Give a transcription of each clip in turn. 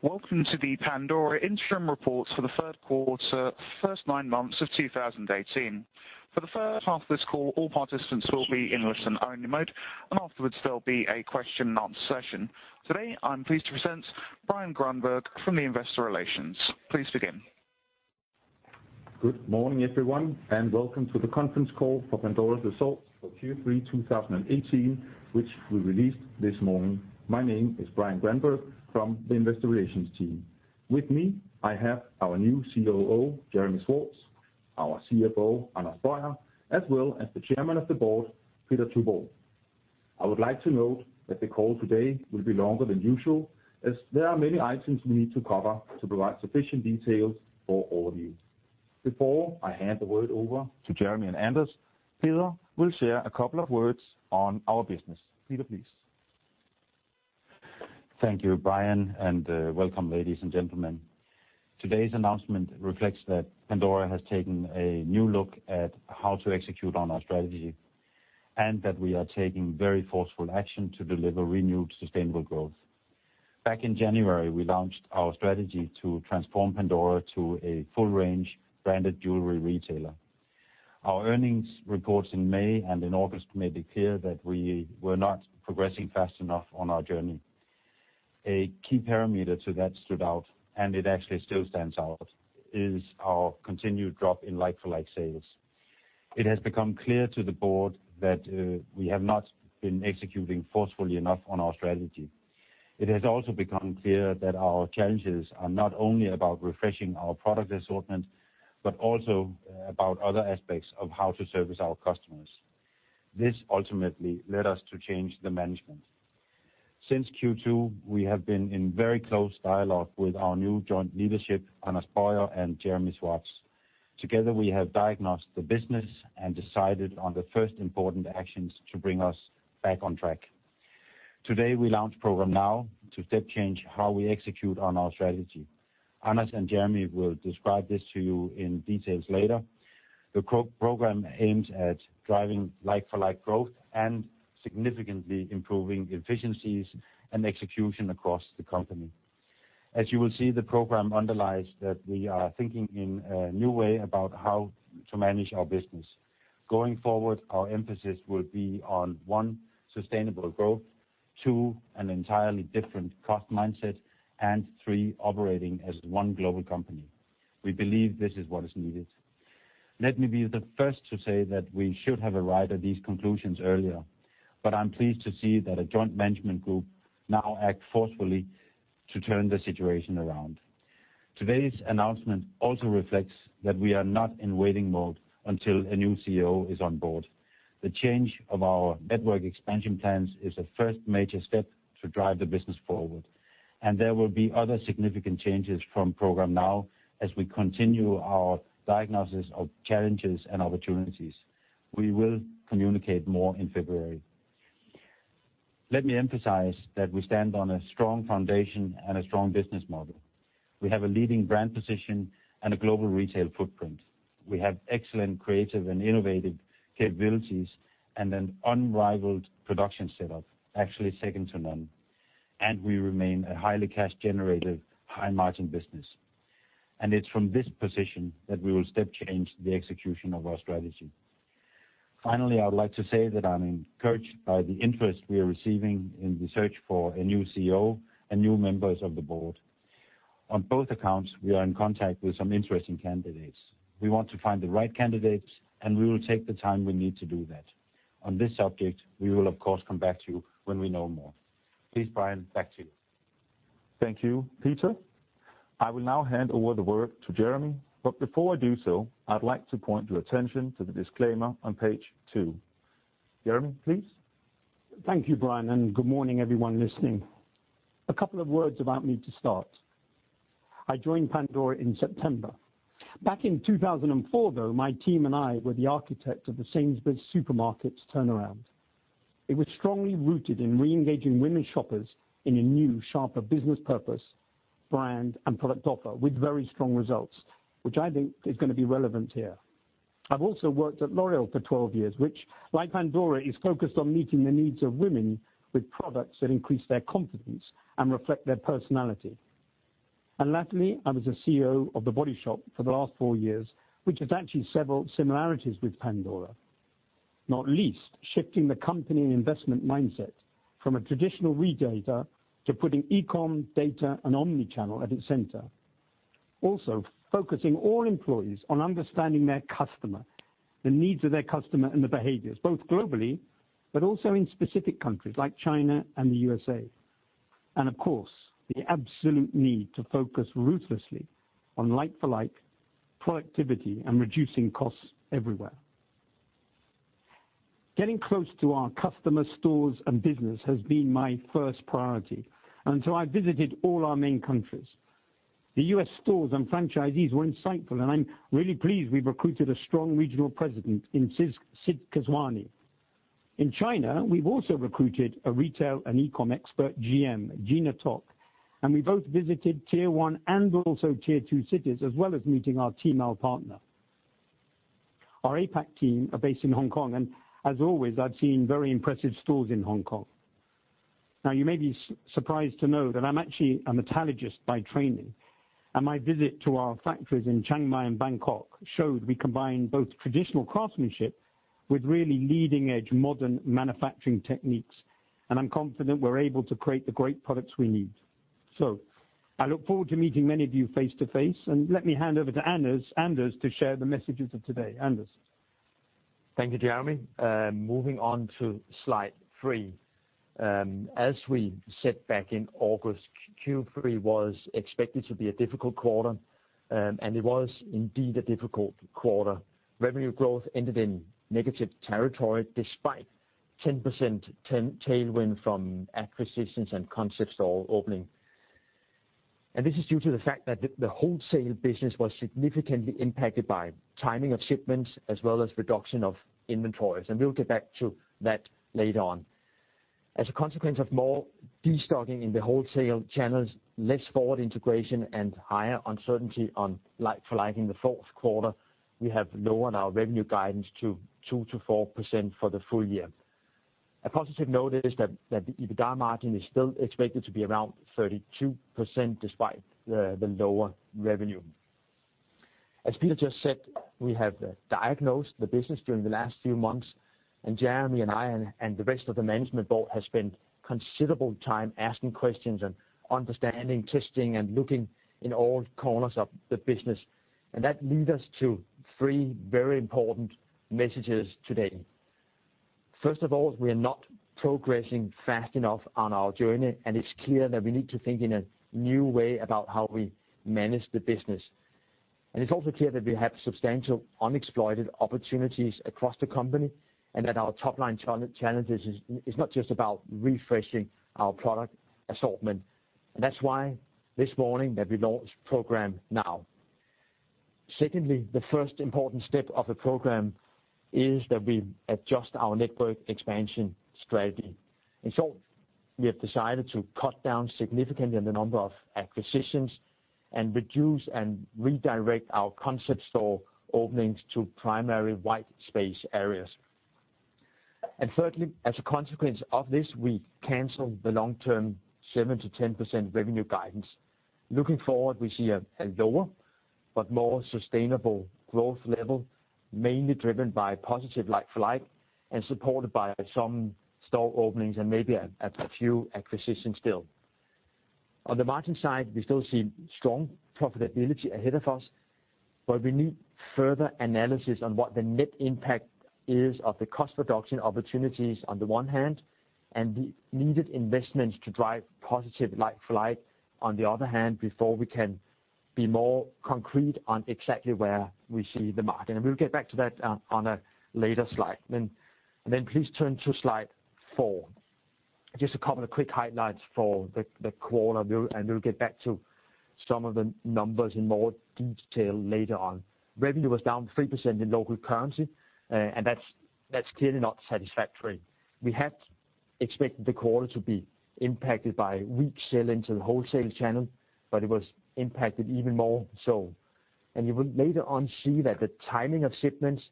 Welcome to the Pandora Interim Report for the third quarter, first nine months of 2018. For the first half of this call, all participants will be in listen-only mode, and afterwards, there'll be a question-and-answer session. Today, I'm pleased to present Brian Granberg from the Investor Relations. Please begin. Good morning, everyone, and welcome to the conference call for Pandora's results for Q3 2018, which we released this morning. My name is Brian Granberg from the Investor Relations team. With me, I have our new COO, Jeremy Schwartz, our CFO, Anders Boyer, as well as the Chairman of the Board, Peder Tuborgh. I would like to note that the call today will be longer than usual, as there are many items we need to cover to provide sufficient details for all of you. Before I hand the word over to Jeremy and Anders, Peder will share a couple of words on our business. Peder, please. Thank you, Brian, and welcome, ladies and gentlemen. Today's announcement reflects that Pandora has taken a new look at how to execute on our strategy, and that we are taking very forceful action to deliver renewed, sustainable growth. Back in January, we launched our strategy to transform Pandora to a full-range branded jewelry retailer. Our earnings reports in May and in August made it clear that we were not progressing fast enough on our journey. A key parameter to that stood out, and it actually still stands out, is our continued drop in like-for-like sales. It has become clear to the board that we have not been executing forcefully enough on our strategy. It has also become clear that our challenges are not only about refreshing our product assortment, but also about other aspects of how to service our customers. This ultimately led us to change the management. Since Q2, we have been in very close dialogue with our new joint leadership, Anders Boyer and Jeremy Schwartz. Together, we have diagnosed the business and decided on the first important actions to bring us back on track. Today, we launch Programme NOW to step change how we execute on our strategy. Anders and Jeremy will describe this to you in detail later. The programme aims at driving like-for-like growth and significantly improving efficiencies and execution across the company. As you will see, the programme underlies that we are thinking in a new way about how to manage our business. Going forward, our emphasis will be on, one, sustainable growth, two, an entirely different cost mindset, and three, operating as one global company. We believe this is what is needed. Let me be the first to say that we should have arrived at these conclusions earlier, but I'm pleased to see that a joint management group now act forcefully to turn the situation around. Today's announcement also reflects that we are not in waiting mode until a new CEO is on board. The change of our network expansion plans is a first major step to drive the business forward, and there will be other significant changes from Programme NOW as we continue our diagnosis of challenges and opportunities. We will communicate more in February. Let me emphasize that we stand on a strong foundation and a strong business model. We have a leading brand position and a global retail footprint. We have excellent creative and innovative capabilities and an unrivaled production setup, actually second to none, and we remain a highly cash-generative, high-margin business, and it's from this position that we will step change the execution of our strategy. Finally, I would like to say that I'm encouraged by the interest we are receiving in the search for a new CEO and new members of the board. On both accounts, we are in contact with some interesting candidates. We want to find the right candidates, and we will take the time we need to do that. On this subject, we will, of course, come back to you when we know more. Please, Brian, back to you. Thank you, Peder. I will now hand over the word to Jeremy, but before I do so, I'd like to point your attention to the disclaimer on page two. Jeremy, please? Thank you, Brian, and good morning, everyone listening. A couple of words about me to start. I joined Pandora in September. Back in 2004, though, my team and I were the architects of the Sainsbury's Supermarkets turnaround. It was strongly rooted in re-engaging women shoppers in a new, sharper business purpose, brand, and product offer with very strong results, which I think is gonna be relevant here. I've also worked at L’Oréal for 12 years, which, like Pandora, is focused on meeting the needs of women with products that increase their confidence and reflect their personality. And lastly, I was the CEO of The Body Shop for the last four years, which has actually several similarities with Pandora, not least shifting the company investment mindset from a traditional retailer to putting e-com, data, and omni-channel at its center. Also, focusing all employees on understanding their customer, the needs of their customer, and the behaviors, both globally but also in specific countries like China and the USA, and of course, the absolute need to focus ruthlessly on like-for-like productivity and reducing costs everywhere. Getting close to our customers, stores, and business has been my first priority, and so I visited all our main countries. The U.S. stores and franchisees were insightful, and I'm really pleased we recruited a strong regional president in Sid Keswani. In China, we've also recruited a retail and e-com expert, GM, Geena Tok, and we both visited Tier 1 and also Tier 2 cities, as well as meeting our Tmall partner.... Our APAC team are based in Hong Kong, and as always, I've seen very impressive stores in Hong Kong. Now, you may be surprised to know that I'm actually a metallurgist by training, and my visit to our factories in Chiang Mai and Bangkok showed we combine both traditional craftsmanship with really leading-edge modern manufacturing techniques, and I'm confident we're able to create the great products we need. So I look forward to meeting many of you face-to-face, and let me hand over to Anders, Anders to share the messages of today. Anders? Thank you, Jeremy. Moving on to slide three. As we said back in August, Q3 was expected to be a difficult quarter, and it was indeed a difficult quarter. Revenue growth ended in negative territory, despite 10% tailwind from acquisitions and concept store opening. This is due to the fact that the wholesale business was significantly impacted by timing of shipments as well as reduction of inventories, and we'll get back to that later on. As a consequence of more destocking in the wholesale channels, less forward integration and higher uncertainty on like-for-like in the fourth quarter, we have lowered our revenue guidance to 2%-4% for the full year. A positive note is that the EBITDA margin is still expected to be around 32%, despite the lower revenue. As Peder just said, we have diagnosed the business during the last few months, and Jeremy and I and the rest of the management board has spent considerable time asking questions and understanding, testing, and looking in all corners of the business, and that lead us to three very important messages today. First of all, we are not progressing fast enough on our journey, and it's clear that we need to think in a new way about how we manage the business. It's also clear that we have substantial unexploited opportunities across the company, and that our top line challenges is not just about refreshing our product assortment. That's why this morning we launched Programme NOW. Secondly, the first important step of the program is that we adjust our network expansion strategy. In short, we have decided to cut down significantly on the number of acquisitions, and reduce and redirect our concept store openings to primary white space areas. And thirdly, as a consequence of this, we cancel the long-term 7%-10% revenue guidance. Looking forward, we see a, a lower but more sustainable growth level, mainly driven by positive like-for-like, and supported by some store openings and maybe a, a few acquisitions still. On the margin side, we still see strong profitability ahead of us, but we need further analysis on what the net impact is of the cost reduction opportunities on the one hand, and the needed investments to drive positive like-for-like on the other hand, before we can be more concrete on exactly where we see the margin. And we'll get back to that on, on a later slide. And then, please turn to slide four. Just a couple of quick highlights for the quarter, and we'll get back to some of the numbers in more detail later on. Revenue was down 3% in local currency, and that's clearly not satisfactory. We had expected the quarter to be impacted by weak sell-in to the wholesale channel, but it was impacted even more so. You will later on see that the timing of shipments,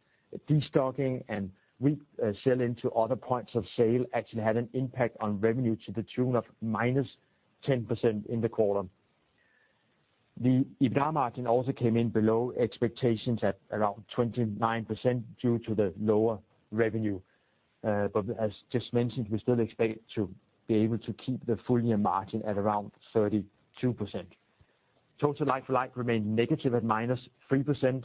destocking, and weak sell-in to other points of sale actually had an impact on revenue to the tune of -10% in the quarter. The EBITDA margin also came in below expectations at around 29%, due to the lower revenue. But as just mentioned, we still expect to be able to keep the full year margin at around 32%. Total like-for-like remained negative at -3%,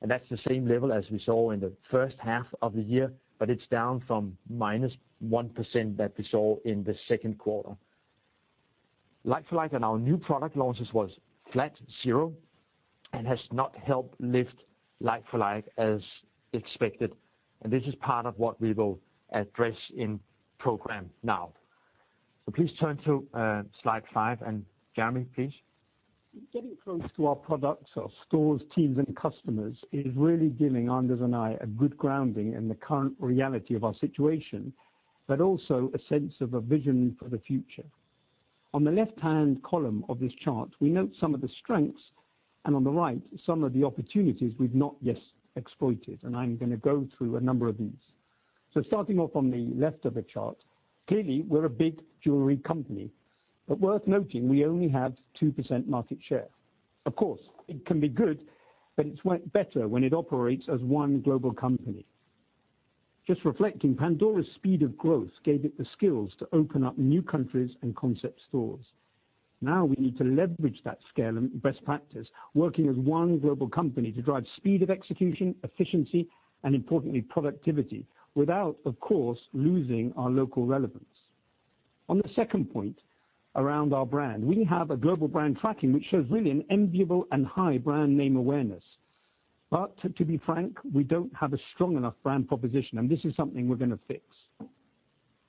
and that's the same level as we saw in the first half of the year, but it's down from -1% that we saw in the second quarter. Like-for-like on our new product launches was flat 0%, and has not helped lift like-for-like as expected, and this is part of what we will address in Programme NOW. So please turn to slide five, and Jeremy, please. Getting close to our products, our stores, teams, and customers, is really giving Anders and I a good grounding in the current reality of our situation, but also a sense of a vision for the future. On the left-hand column of this chart, we note some of the strengths, and on the right, some of the opportunities we've not yet exploited, and I'm going to go through a number of these. Starting off on the left of the chart, clearly, we're a big jewelry company, but worth noting, we only have 2% market share. Of course, it can be good, but it works better when it operates as one global company. Just reflecting, Pandora's speed of growth gave it the skills to open up new countries and concept stores. Now, we need to leverage that scale and best practice, working as one global company to drive speed of execution, efficiency, and importantly, productivity, without, of course, losing our local relevance. On the second point, around our brand, we have a global brand tracking, which shows really an enviable and high brand name awareness. But to be frank, we don't have a strong enough brand proposition, and this is something we're going to fix.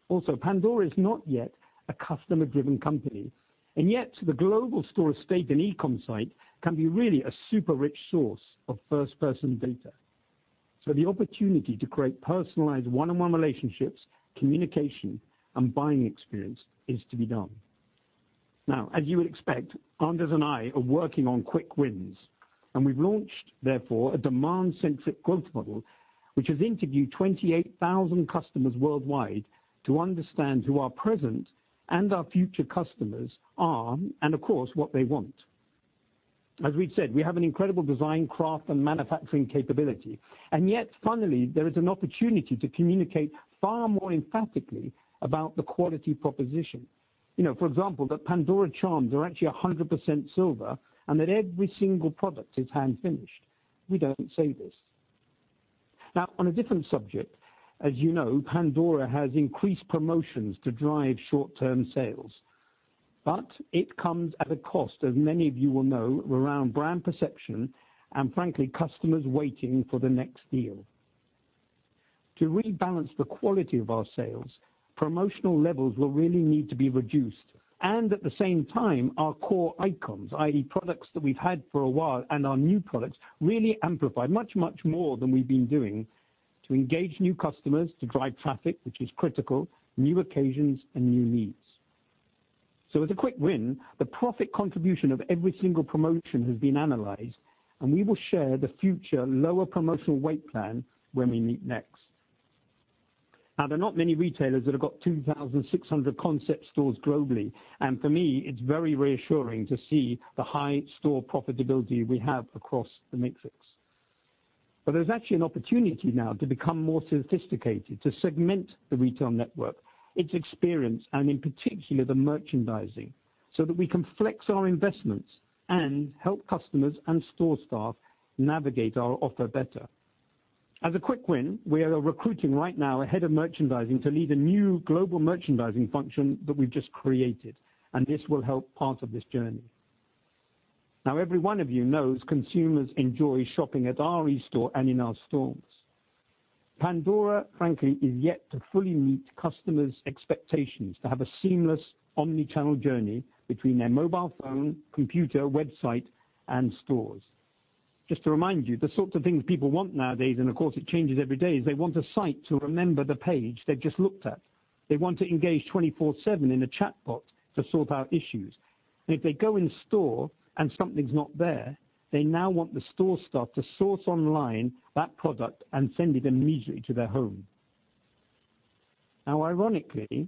Also, Pandora is not yet a customer-driven company, and yet, the global store estate and e-com site can be really a super rich source of first-person data. So the opportunity to create personalized one-on-one relationships, communication, and buying experience is to be done.... Now, as you would expect, Anders and I are working on quick wins, and we've launched, therefore, a demand-centric growth model, which has interviewed 28,000 customers worldwide to understand who our present and our future customers are, and of course, what they want. As we've said, we have an incredible design, craft, and manufacturing capability, and yet finally, there is an opportunity to communicate far more emphatically about the quality proposition. You know, for example, that Pandora charms are actually 100% silver, and that every single product is hand-finished. We don't say this. Now, on a different subject, as you know, Pandora has increased promotions to drive short-term sales, but it comes at a cost, as many of you will know, around brand perception and frankly, customers waiting for the next deal. To rebalance the quality of our sales, promotional levels will really need to be reduced, and at the same time, our core icons, i.e., products that we've had for a while, and our new products, really amplify much, much more than we've been doing to engage new customers, to drive traffic, which is critical, new occasions, and new needs. So as a quick win, the profit contribution of every single promotion has been analyzed, and we will share the future lower promotional weight plan when we meet next. Now, there are not many retailers that have got 2,600 concept stores globally, and for me, it's very reassuring to see the high store profitability we have across the matrix. But there's actually an opportunity now to become more sophisticated, to segment the retail network, its experience, and in particular, the merchandising, so that we can flex our investments and help customers and store staff navigate our offer better. As a quick win, we are recruiting right now a head of merchandising to lead a new global merchandising function that we've just created, and this will help part of this journey. Now, every one of you knows consumers enjoy shopping at our e-store and in our stores. Pandora, frankly, is yet to fully meet customers' expectations to have a seamless omni-channel journey between their mobile phone, computer, website, and stores. Just to remind you, the sorts of things people want nowadays, and of course, it changes every day, is they want a site to remember the page they've just looked at. They want to engage 24/7 in a chatbot to sort out issues. If they go in store and something's not there, they now want the store staff to source online that product and send it immediately to their home. Now, ironically,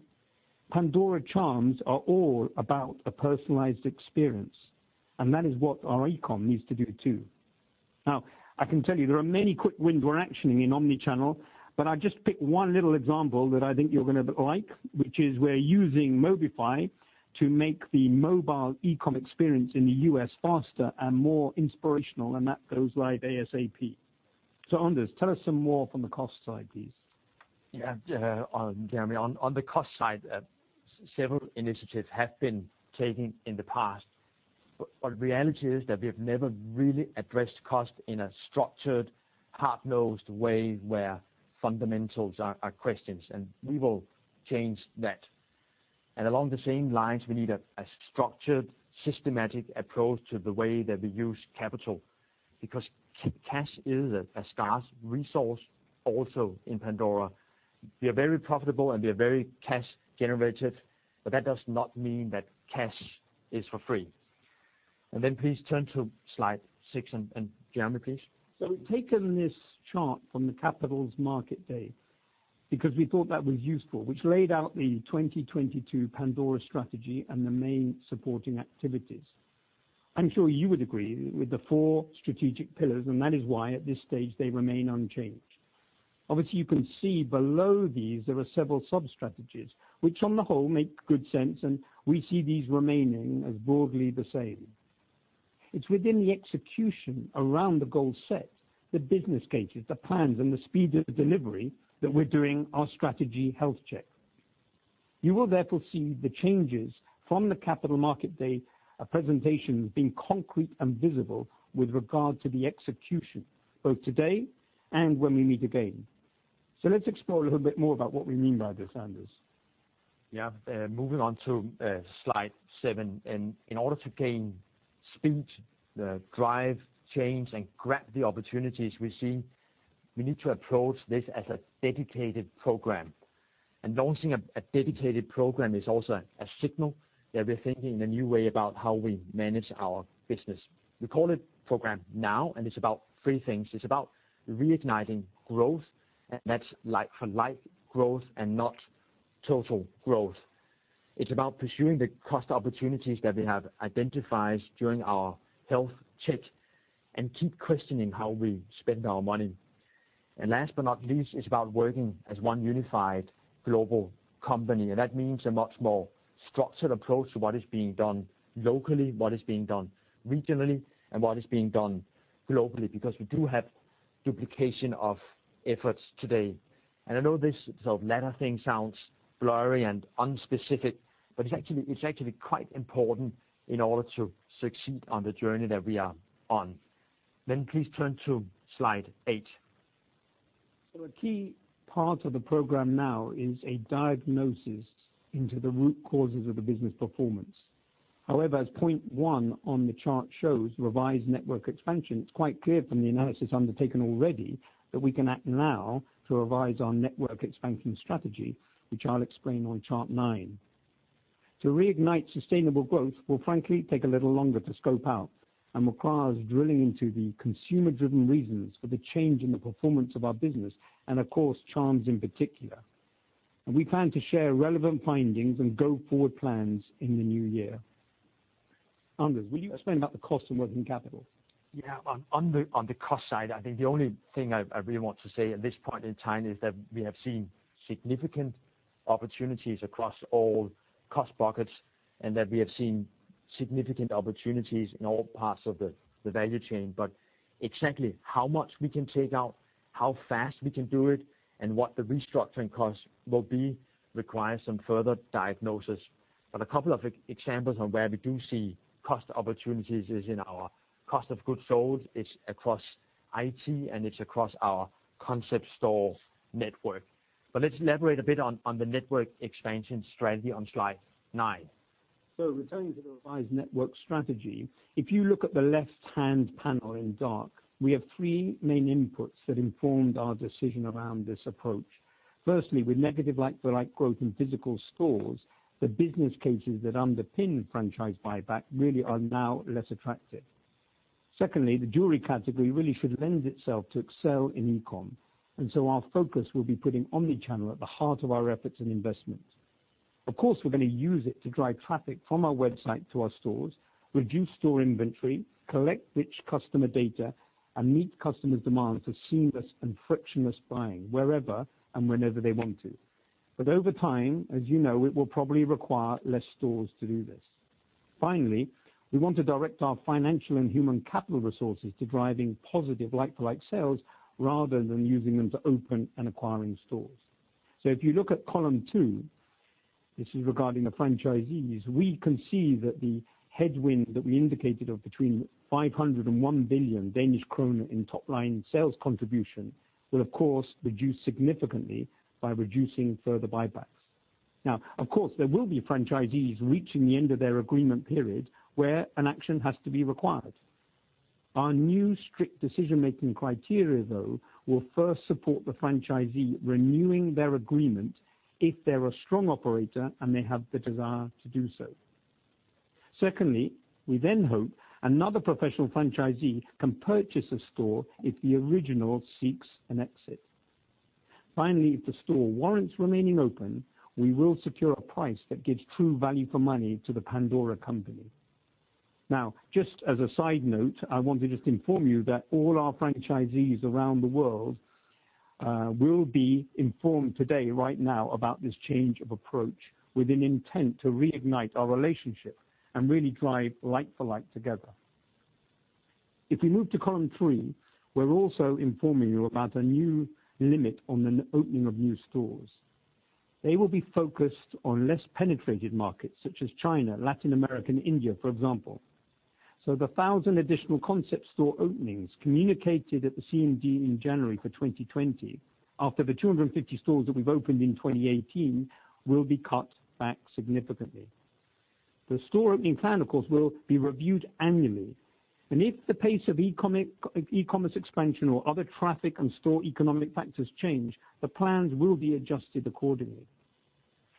Pandora charms are all about a personalized experience, and that is what our e-com needs to do, too. Now, I can tell you, there are many quick wins we're actioning in omni-channel, but I just picked one little example that I think you're going to like, which is we're using Mobify to make the mobile e-com experience in the U.S. faster and more inspirational, and that goes live ASAP. So, Anders, tell us some more from the cost side, please. Yeah, Jeremy, on the cost side, several initiatives have been taken in the past, but the reality is that we have never really addressed cost in a structured, hard-nosed way, where fundamentals are questioned, and we will change that. And along the same lines, we need a structured, systematic approach to the way that we use capital, because cash is a scarce resource also in Pandora. We are very profitable, and we are very cash generative, but that does not mean that cash is for free. And then please turn to slide six, Jeremy, please. So we've taken this chart from the Capital Markets Day because we thought that was useful, which laid out the 2022 Pandora strategy and the main supporting activities. I'm sure you would agree with the four strategic pillars, and that is why, at this stage, they remain unchanged. Obviously, you can see below these, there are several sub-strategies, which on the whole, make good sense, and we see these remaining as broadly the same. It's within the execution around the goals set, the business cases, the plans, and the speed of the delivery, that we're doing our strategy health check. You will therefore see the changes from the Capital Markets Day presentation, being concrete and visible with regard to the execution, both today and when we meet again. So let's explore a little bit more about what we mean by this, Anders. Yeah. Moving on to slide seven, and in order to gain speed, drive change, and grab the opportunities we see, we need to approach this as a dedicated program. Launching a dedicated program is also a signal that we're thinking in a new way about how we manage our business. We call it Programme NOW, and it's about three things. It's about reigniting growth, and that's like-for-like growth and not total growth. It's about pursuing the cost opportunities that we have identified during our health check, and keep questioning how we spend our money. Last but not least, it's about working as one unified global company, and that means a much more structured approach to what is being done locally, what is being done regionally, and what is being done globally, because we do have duplication of efforts today. I know this sort of latter thing sounds blurry and unspecific, but it's actually, it's actually quite important in order to succeed on the journey that we are on. Please turn to slide eight. So a key part of the Programme NOW is a diagnosis into the root causes of the business performance. However, as point one on the chart shows, revised network expansion, it's quite clear from the analysis undertaken already that we can act now to revise our network expansion strategy, which I'll explain on chart nine... to reignite sustainable growth will frankly take a little longer to scope out, and requires drilling into the consumer-driven reasons for the change in the performance of our business, and of course, charms in particular. And we plan to share relevant findings and go-forward plans in the new year. Anders, will you explain about the cost and working capital? Yeah. On the cost side, I think the only thing I really want to say at this point in time is that we have seen significant opportunities across all cost pockets, and that we have seen significant opportunities in all parts of the value chain. But exactly how much we can take out, how fast we can do it, and what the restructuring costs will be requires some further diagnosis. But a couple of examples on where we do see cost opportunities is in our cost of goods sold, it's across IT, and it's across our concept store network. But let's elaborate a bit on the network expansion strategy on slide nine. So returning to the revised network strategy, if you look at the left-hand panel in dark, we have three main inputs that informed our decision around this approach. Firstly, with negative Like-for-like growth in physical stores, the business cases that underpin franchise buyback really are now less attractive. Secondly, the jewelry category really should lend itself to excel in e-com, and so our focus will be putting omni-channel at the heart of our efforts and investments. Of course, we're going to use it to drive traffic from our website to our stores, reduce store inventory, collect rich customer data, and meet customers' demands for seamless and frictionless buying, wherever and whenever they want to. But over time, as you know, it will probably require less stores to do this. Finally, we want to direct our financial and human capital resources to driving positive like-for-like sales, rather than using them to open and acquiring stores. So if you look at column two, this is regarding the franchisees, we can see that the headwind that we indicated of between 500 million and 1 billion Danish kroner in top-line sales contribution, will of course reduce significantly by reducing further buybacks. Now, of course, there will be franchisees reaching the end of their agreement period, where an action has to be required. Our new strict decision-making criteria, though, will first support the franchisee renewing their agreement if they're a strong operator and they have the desire to do so. Secondly, we then hope another professional franchisee can purchase a store if the original seeks an exit. Finally, if the store warrants remaining open, we will secure a price that gives true value for money to the Pandora company. Now, just as a side note, I want to just inform you that all our franchisees around the world will be informed today, right now, about this change of approach, with an intent to reignite our relationship and really drive like-for-like together. If we move to column three, we're also informing you about a new limit on the net opening of new stores. They will be focused on less penetrated markets such as China, Latin America, and India, for example. So the 1,000 additional concept store openings communicated at the CMD in January for 2020, after the 250 stores that we've opened in 2018, will be cut back significantly. The store opening plan, of course, will be reviewed annually, and if the pace of e-commerce, e-commerce expansion or other traffic and store economic factors change, the plans will be adjusted accordingly.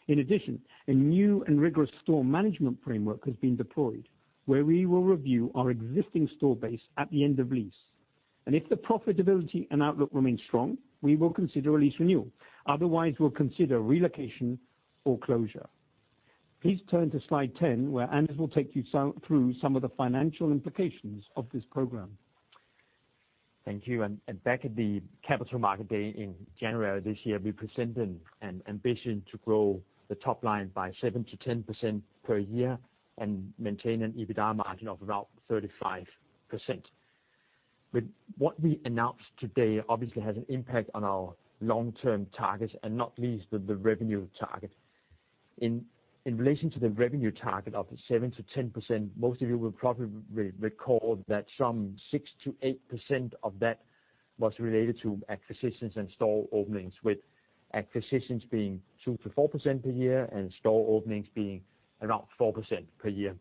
In addition, a new and rigorous store management framework has been deployed, where we will review our existing store base at the end of lease. If the profitability and outlook remain strong, we will consider a lease renewal. Otherwise, we'll consider relocation or closure. Please turn to slide 10, where Anders will take you through some of the financial implications of this program. Thank you. Back at the Capital Market Day in January of this year, we presented an ambition to grow the top line by 7%-10% per year, and maintain an EBITDA margin of about 35%. But what we announced today obviously has an impact on our long-term targets, and not least the revenue target. In relation to the revenue target of 7%-10%, most of you will probably recall that some 6%-8% of that was related to acquisitions and store openings, with acquisitions being 2%-4% per year, and store openings being around 4% per year.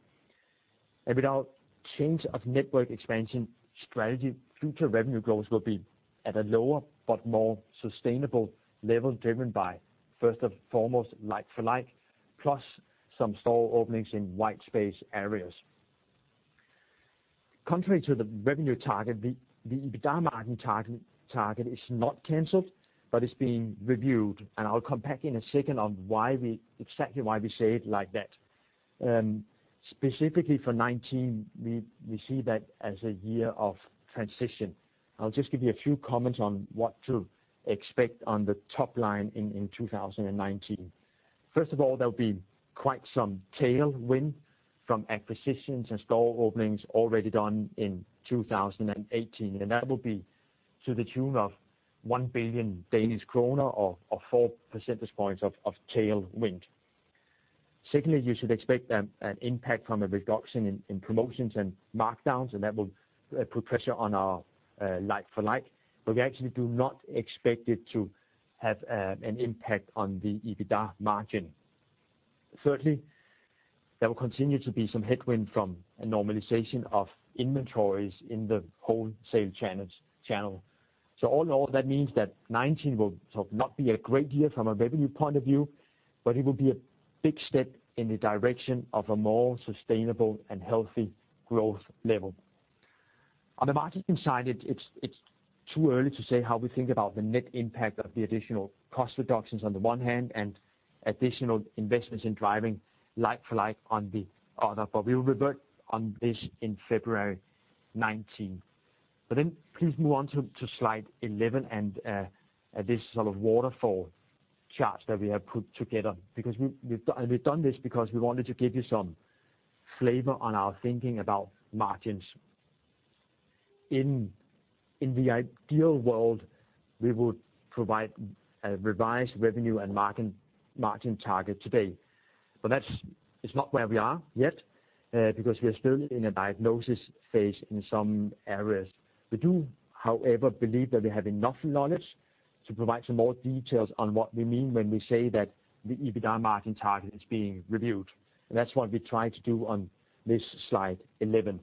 Without change of network expansion strategy, future revenue growth will be at a lower but more sustainable level, driven by, first and foremost, like-for-like, plus some store openings in white space areas. Contrary to the revenue target, the EBITDA margin target is not canceled, but is being reviewed, and I'll come back in a second on exactly why we say it like that. Specifically for 2019, we see that as a year of transition. I'll just give you a few comments on what to expect on the top line in 2019. First of all, there'll be quite some tailwind from acquisitions and store openings already done in 2018, and that will be to the tune of 1 billion Danish kroner or 4 percentage points of tailwind. Secondly, you should expect an impact from a reduction in promotions and markdowns, and that will put pressure on our like-for-like, but we actually do not expect it to have an impact on the EBITDA margin. Thirdly, there will continue to be some headwind from a normalization of inventories in the wholesale channels. So all in all, that means that 2019 will sort of not be a great year from a revenue point of view, but it will be a big step in the direction of a more sustainable and healthy growth level. On the margin side, it's too early to say how we think about the net impact of the additional cost reductions on the one hand, and additional investments in driving like-for-like on the other, but we will revert on this in February 2019. But then please move on to slide 11, and this sort of waterfall chart that we have put together. Because we've done this because we wanted to give you some flavor on our thinking about margins. In the ideal world, we would provide a revised revenue and margin target today, but that's not where we are yet, because we are still in a diagnosis phase in some areas. We do, however, believe that we have enough knowledge to provide some more details on what we mean when we say that the EBITDA margin target is being reviewed, and that's what we try to do on this slide 11.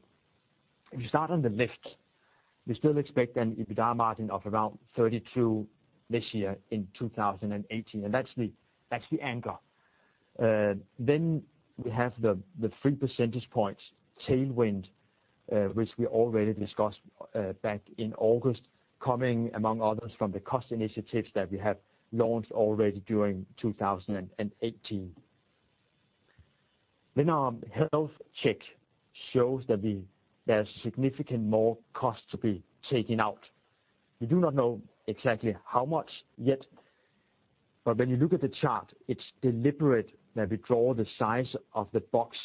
If you start on the left, we still expect an EBITDA margin of around 32% this year in 2018, and that's the anchor. Then we have the 3 percentage points tailwind, which we already discussed back in August, coming among others from the cost initiatives that we have launched already during 2018. Then our health check shows that there's significant more cost to be taken out. We do not know exactly how much yet, but when you look at the chart, it's deliberate that we draw the size of the box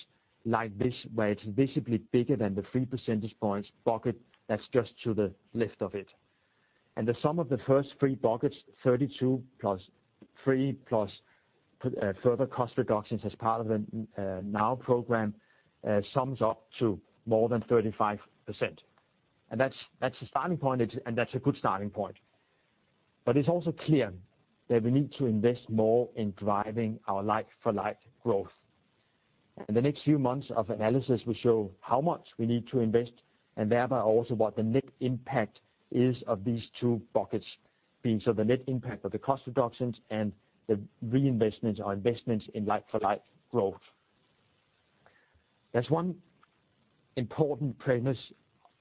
like this, where it's visibly bigger than the 3 percentage points bucket that's just to the left of it. And the sum of the first three buckets, 32 + 3, plus further cost reductions as part of the Programme NOW, sums up to more than 35%. And that's, that's the starting point, it's, and that's a good starting point. But it's also clear that we need to invest more in driving our like-for-like growth. In the next few months of analysis, we show how much we need to invest, and thereby, also what the net impact is of these two buckets, being so the net impact of the cost reductions and the reinvestments or investments in like-for-like growth. There's one important premise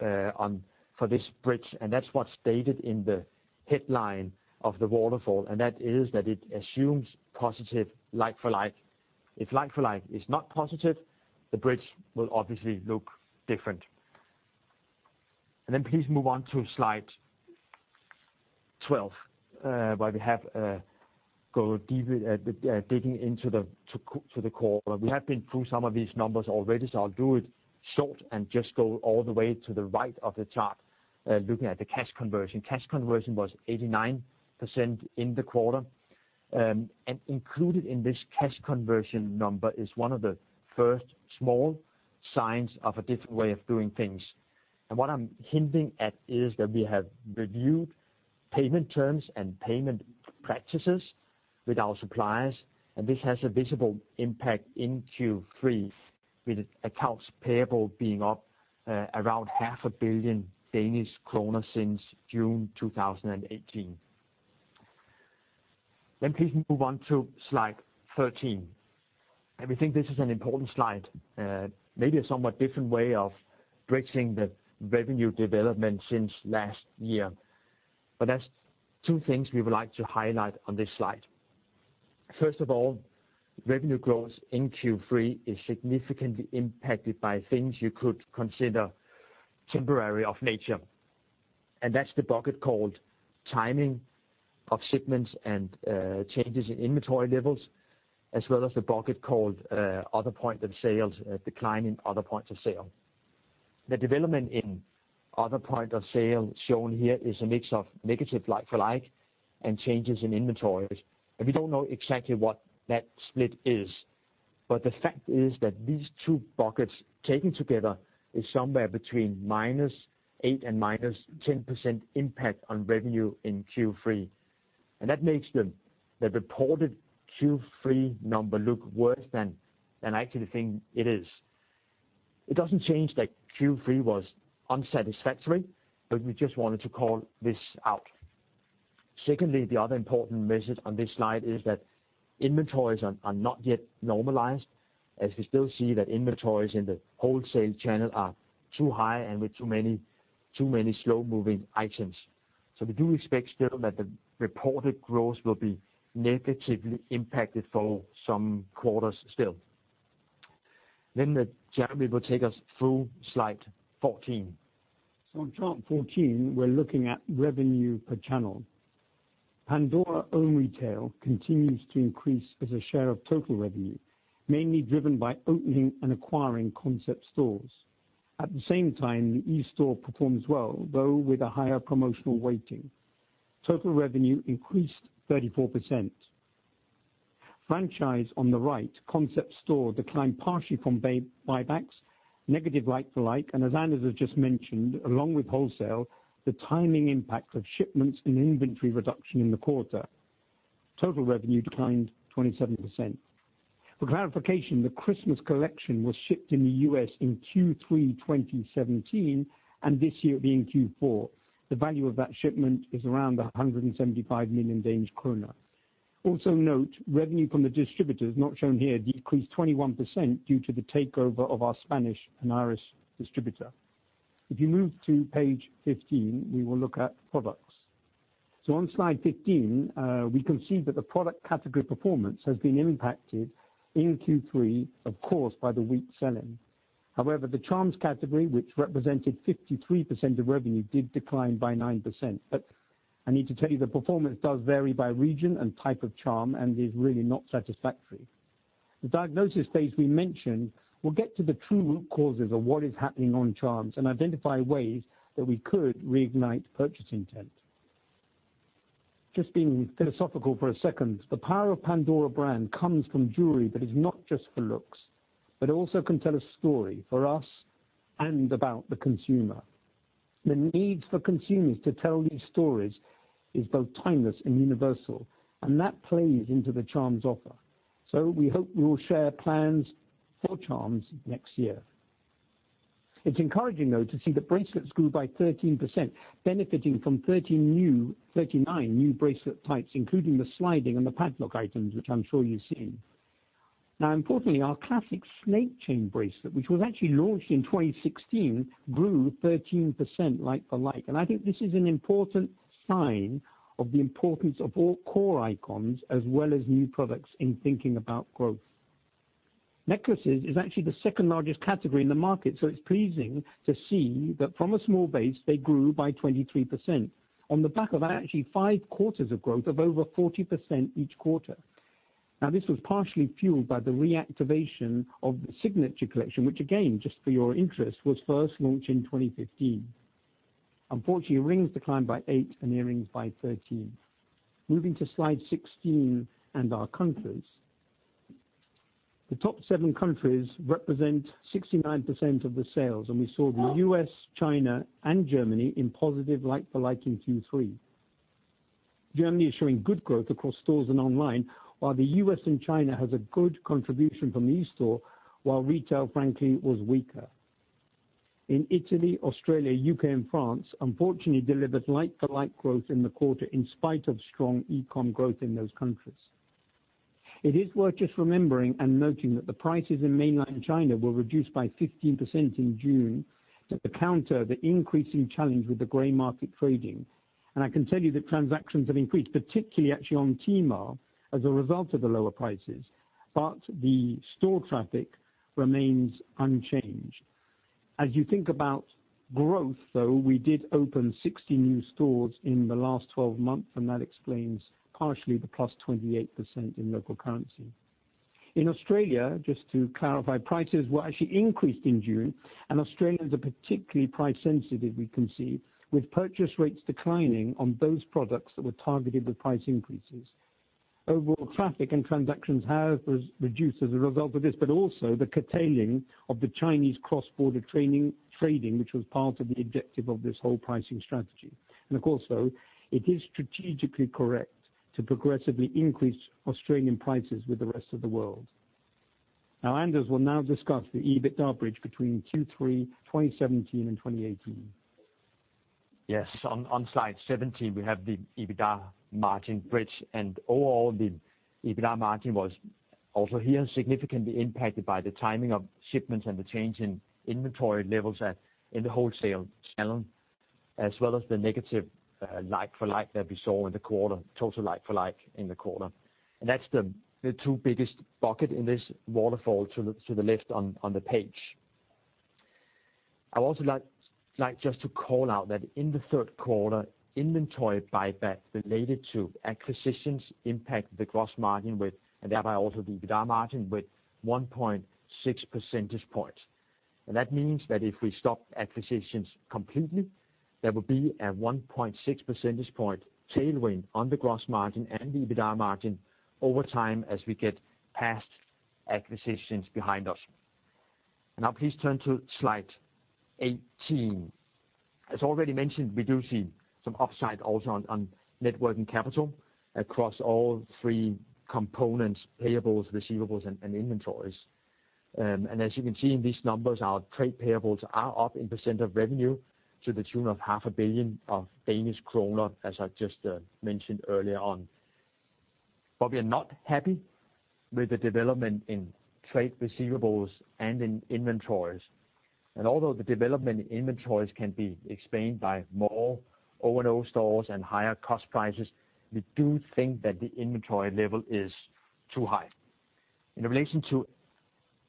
on for this bridge, and that's what's stated in the headline of the waterfall, and that is that it assumes positive like-for-like. If like-for-like is not positive, the bridge will obviously look different. Please move on to slide 12, where we go deep digging into the core. We have been through some of these numbers already, so I'll do it short and just go all the way to the right of the chart, looking at the cash conversion. Cash conversion was 89% in the quarter. Included in this cash conversion number is one of the first small signs of a different way of doing things. What I'm hinting at is that we have reviewed payment terms and payment practices with our suppliers, and this has a visible impact in Q3, with accounts payable being up around 500 million Danish kroner since June 2018. Please move on to slide 13. We think this is an important slide, maybe a somewhat different way of bridging the revenue development since last year. There's two things we would like to highlight on this slide. First of all, revenue growth in Q3 is significantly impacted by things you could consider temporary of nature, and that's the bucket called timing of shipments and changes in inventory levels, as well as the bucket called other point of sales, decline in other points of sale. The development in other point of sale shown here is a mix of negative like-for-like and changes in inventories, and we don't know exactly what that split is. But the fact is that these two buckets taken together is somewhere between -8% and -10% impact on revenue in Q3. And that makes the reported Q3 number look worse than I actually think it is. It doesn't change that Q3 was unsatisfactory, but we just wanted to call this out. Secondly, the other important message on this slide is that inventories are not yet normalized, as we still see that inventories in the wholesale channel are too high and with too many slow-moving items. So we do expect still that the reported growth will be negatively impacted for some quarters still. Then Jeremy will take us through slide 14. On chart 14, we're looking at revenue per channel. Pandora's own retail continues to increase as a share of total revenue, mainly driven by opening and acquiring concept stores. At the same time, the e-store performs well, though with a higher promotional weighting. Total revenue increased 34%. Franchise, on the right, concept store declined partially from buybacks, negative like-for-like, and as Anders has just mentioned, along with wholesale, the timing impact of shipments and inventory reduction in the quarter. Total revenue declined 27%. For clarification, the Christmas collection was shipped in the U.S. in Q3 2017, and this year, being Q4, the value of that shipment is around 175 million Danish kroner. Also note, revenue from the distributors, not shown here, decreased 21% due to the takeover of our Spanish and Irish distributor. If you move to page 15, we will look at products. On slide 15, we can see that the product category performance has been impacted in Q3, of course, by the weak selling. However, the charms category, which represented 53% of revenue, did decline by 9%. I need to tell you, the performance does vary by region and type of charm and is really not satisfactory. The diagnosis phase we mentioned, will get to the true root causes of what is happening on charms and identify ways that we could reignite purchase intent. Just being philosophical for a second, the power of Pandora brand comes from jewelry that is not just for looks, but also can tell a story for us and about the consumer. The need for consumers to tell these stories is both timeless and universal, and that plays into the charms offer. So we hope we will share plans for charms next year. It's encouraging, though, to see that bracelets grew by 13%, benefiting from 13 new- 39 new bracelet types, including the Sliding and the Padlock items, which I'm sure you've seen. Now, importantly, our classic Snake Chain Bracelet, which was actually launched in 2016, grew 13% like-for-like. And I think this is an important sign of the importance of all core icons as well as new products in thinking about growth. Necklaces is actually the second largest category in the market, so it's pleasing to see that from a small base, they grew by 23%, on the back of actually 5 quarters of growth of over 40% each quarter. Now, this was partially fueled by the reactivation of the signature collection, which, again, just for your interest, was first launched in 2015. Unfortunately, rings declined by 8, and earrings by 13. Moving to slide 16 and our countries. The top seven countries represent 69% of the sales, and we saw the U.S., China, and Germany in positive like-for-like in Q3. Germany is showing good growth across stores and online, while the U.S. and China has a good contribution from the eStore, while retail, frankly, was weaker. In Italy, Australia, U.K., and France, unfortunately, delivered like-for-like growth in the quarter in spite of strong e-com growth in those countries. It is worth just remembering and noting that the prices in mainland China were reduced by 15% in June to counter the increasing challenge with the gray market trading. And I can tell you that transactions have increased, particularly actually on Tmall, as a result of the lower prices, but the store traffic remains unchanged. As you think about growth, though, we did open 60 new stores in the last 12 months, and that explains partially the +28% in local currency. In Australia, just to clarify, prices were actually increased in June, and Australians are particularly price sensitive, we can see, with purchase rates declining on those products that were targeted with price increases. Overall traffic and transactions have reduced as a result of this, but also the curtailing of the Chinese cross-border trading, which was part of the objective of this whole pricing strategy. And of course, though, it is strategically correct to progressively increase Australian prices with the rest of the world. Now, Anders will now discuss the EBITDA bridge between Q3 2017 and 2018. Yes, on slide 17, we have the EBITDA margin bridge. Overall, the EBITDA margin was also here significantly impacted by the timing of shipments and the change in inventory levels in the wholesale channel, as well as the negative like-for-like that we saw in the quarter, total like-for-like in the quarter. That's the two biggest bucket in this waterfall to the left on the page. I'd also like just to call out that in the third quarter, inventory buyback related to acquisitions impacted the gross margin, and thereby also the EBITDA margin, with 1.6 percentage points. That means that if we stop acquisitions completely, there will be a 1.6 percentage point tailwind on the gross margin and the EBITDA margin over time as we get past acquisitions behind us. Now, please turn to slide 18. As already mentioned, we do see some upside also on net working capital across all three components, payables, receivables, and inventories. And as you can see in these numbers, our trade payables are up in percent of revenue to the tune of 0.5 billion, as I just mentioned earlier on. But we are not happy with the development in trade receivables and in inventories. And although the development in inventories can be explained by more O&O stores and higher cost prices, we do think that the inventory level is too high. In relation to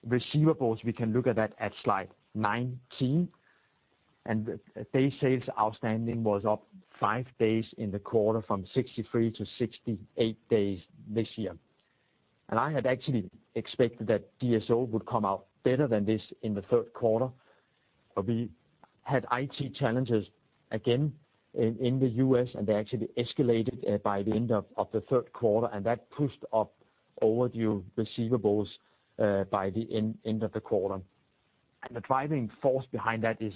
receivables, we can look at that at slide 19, and the day sales outstanding was up 5 days in the quarter from 63-68 days this year. I had actually expected that DSO would come out better than this in the third quarter, but we had IT challenges again in the U.S., and they actually escalated by the end of the third quarter, and that pushed up overdue receivables by the end of the quarter. The driving force behind that is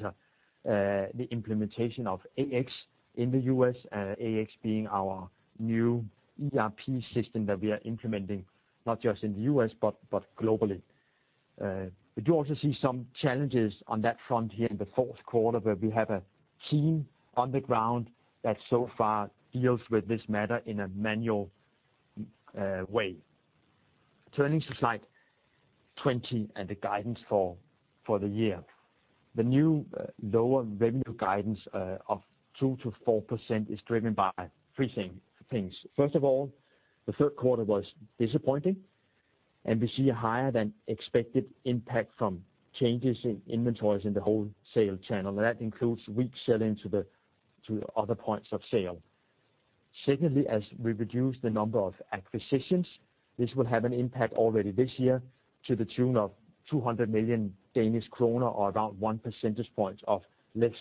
the implementation of AX in the U.S. AX being our new ERP system that we are implementing, not just in the U.S., but globally. But you also see some challenges on that front here in the fourth quarter, where we have a team on the ground that so far deals with this matter in a manual way. Turning to slide 20 and the guidance for the year. The new, lower revenue guidance of 2%-4% is driven by three things. First of all, the third quarter was disappointing, and we see a higher than expected impact from changes in inventories in the wholesale channel, and that includes weak sell-in to the, to other points of sale. Secondly, as we reduce the number of acquisitions, this will have an impact already this year to the tune of 200 million Danish kroner, or around one percentage point of less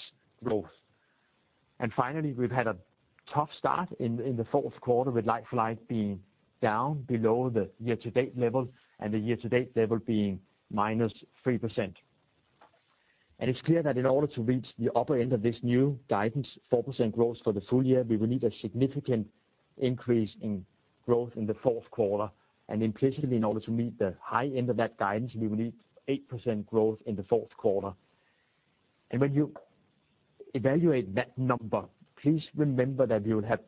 growth. And finally, we've had a tough start in the fourth quarter, with like-for-like being down below the year-to-date level, and the year-to-date level being -3%. It's clear that in order to reach the upper end of this new guidance, 4% growth for the full year, we will need a significant increase in growth in the fourth quarter, and increasingly in order to meet the high end of that guidance, we will need 8% growth in the fourth quarter. When you evaluate that number, please remember that we will have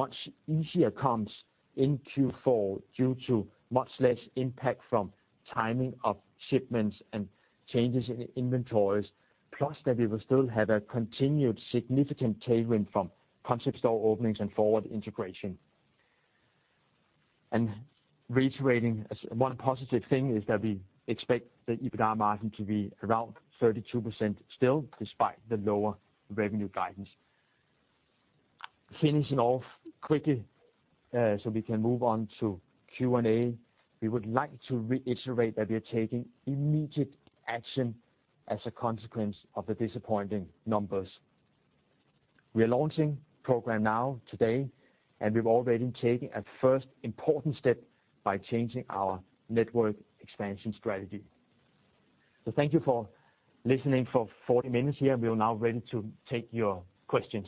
much easier comps in Q4, due to much less impact from timing of shipments and changes in inventories, plus that we will still have a continued significant tailwind from concept store openings and forward integration. Reiterating, one positive thing is that we expect the EBITDA margin to be around 32% still, despite the lower revenue guidance. Finishing off quickly, so we can move on to Q&A. We would like to reiterate that we are taking immediate action as a consequence of the disappointing numbers. We are launching Programme NOW today, and we've already taken a first important step by changing our network expansion strategy. So thank you for listening for 40 minutes here. We are now ready to take your questions.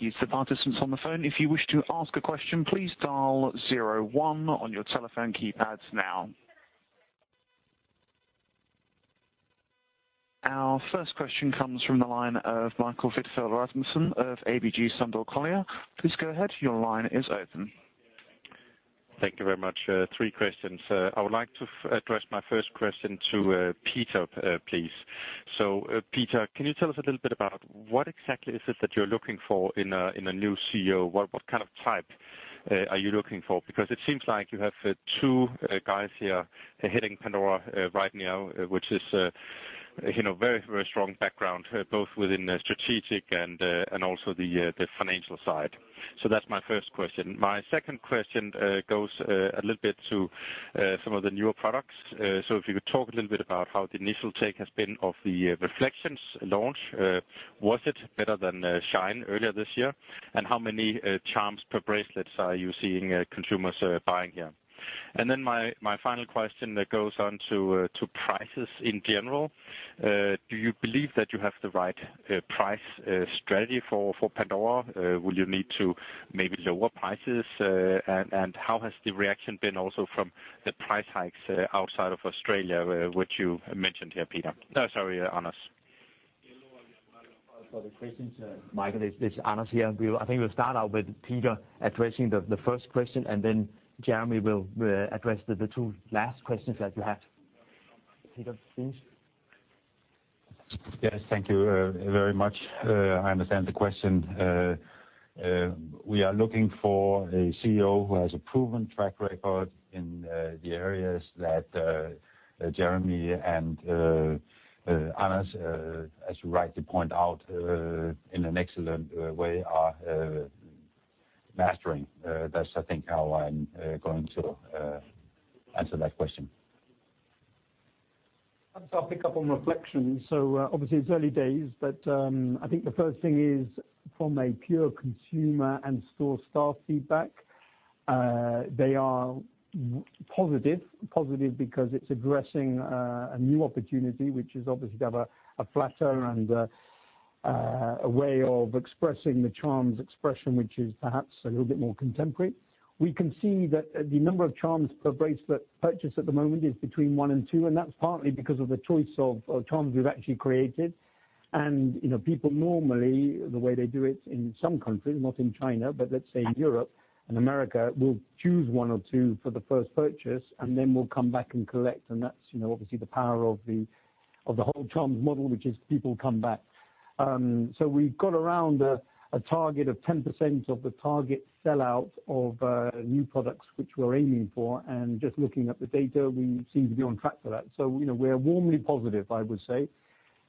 Thank you. To participants on the phone, if you wish to ask a question, please dial zero one on your telephone keypads now. Our first question comes from the line of Michael Vitfell-Rasmussen of ABG Sundal Collier. Please go ahead. Your line is open. Thank you very much. Three questions. I would like to address my first question to, Peder, please. So, Peder, can you tell us a little bit about what exactly is it that you're looking for in a, in a new CEO? What, what kind of type, are you looking for? Because it seems like you have, two, guys here heading Pandora, right now, which is, you know, very, very strong background, both within the strategic and, and also the, the financial side. So that's my first question. My second question, goes, a little bit to, some of the newer products. So if you could talk a little bit about how the initial take has been of the, Reflexions launch. Was it better than, Shine earlier this year? And how many charms per bracelets are you seeing consumers buying here? And then my, my final question that goes on to prices in general. Do you believe that you have the right price strategy for Pandora? Will you need to maybe lower prices? And how has the reaction been also from the price hikes outside of Australia, which you mentioned here, Peder? Sorry, Anders. For the questions, Michael, it's Anders here. I think we'll start out with Peder addressing the first question, and then Jeremy will address the two last questions that you have. Peder, please. Yes, thank you very much. I understand the question. We are looking for a CEO who has a proven track record in the areas that Jeremy and Anders, as you rightly point out, in an excellent way are mastering. That's, I think, how I'm going to answer that question. I'll pick up on Reflexions. So, obviously it's early days, but, I think the first thing is from a pure consumer and store staff feedback, they are positive. Positive because it's addressing a new opportunity, which is obviously to have a flatter and a way of expressing the charms expression, which is perhaps a little bit more contemporary. We can see that the number of charms per bracelet purchased at the moment is between one and two, and that's partly because of the choice of charms we've actually created. You know, people normally the way they do it in some countries, not in China, but let's say in Europe and America, will choose one or two for the first purchase, and then will come back and collect, and that's, you know, obviously the power of the whole charms model, which is people come back. So we've got around a target of 10% of the target sellout of new products which we're aiming for, and just looking at the data, we seem to be on track for that. So, you know, we are warmly positive, I would say.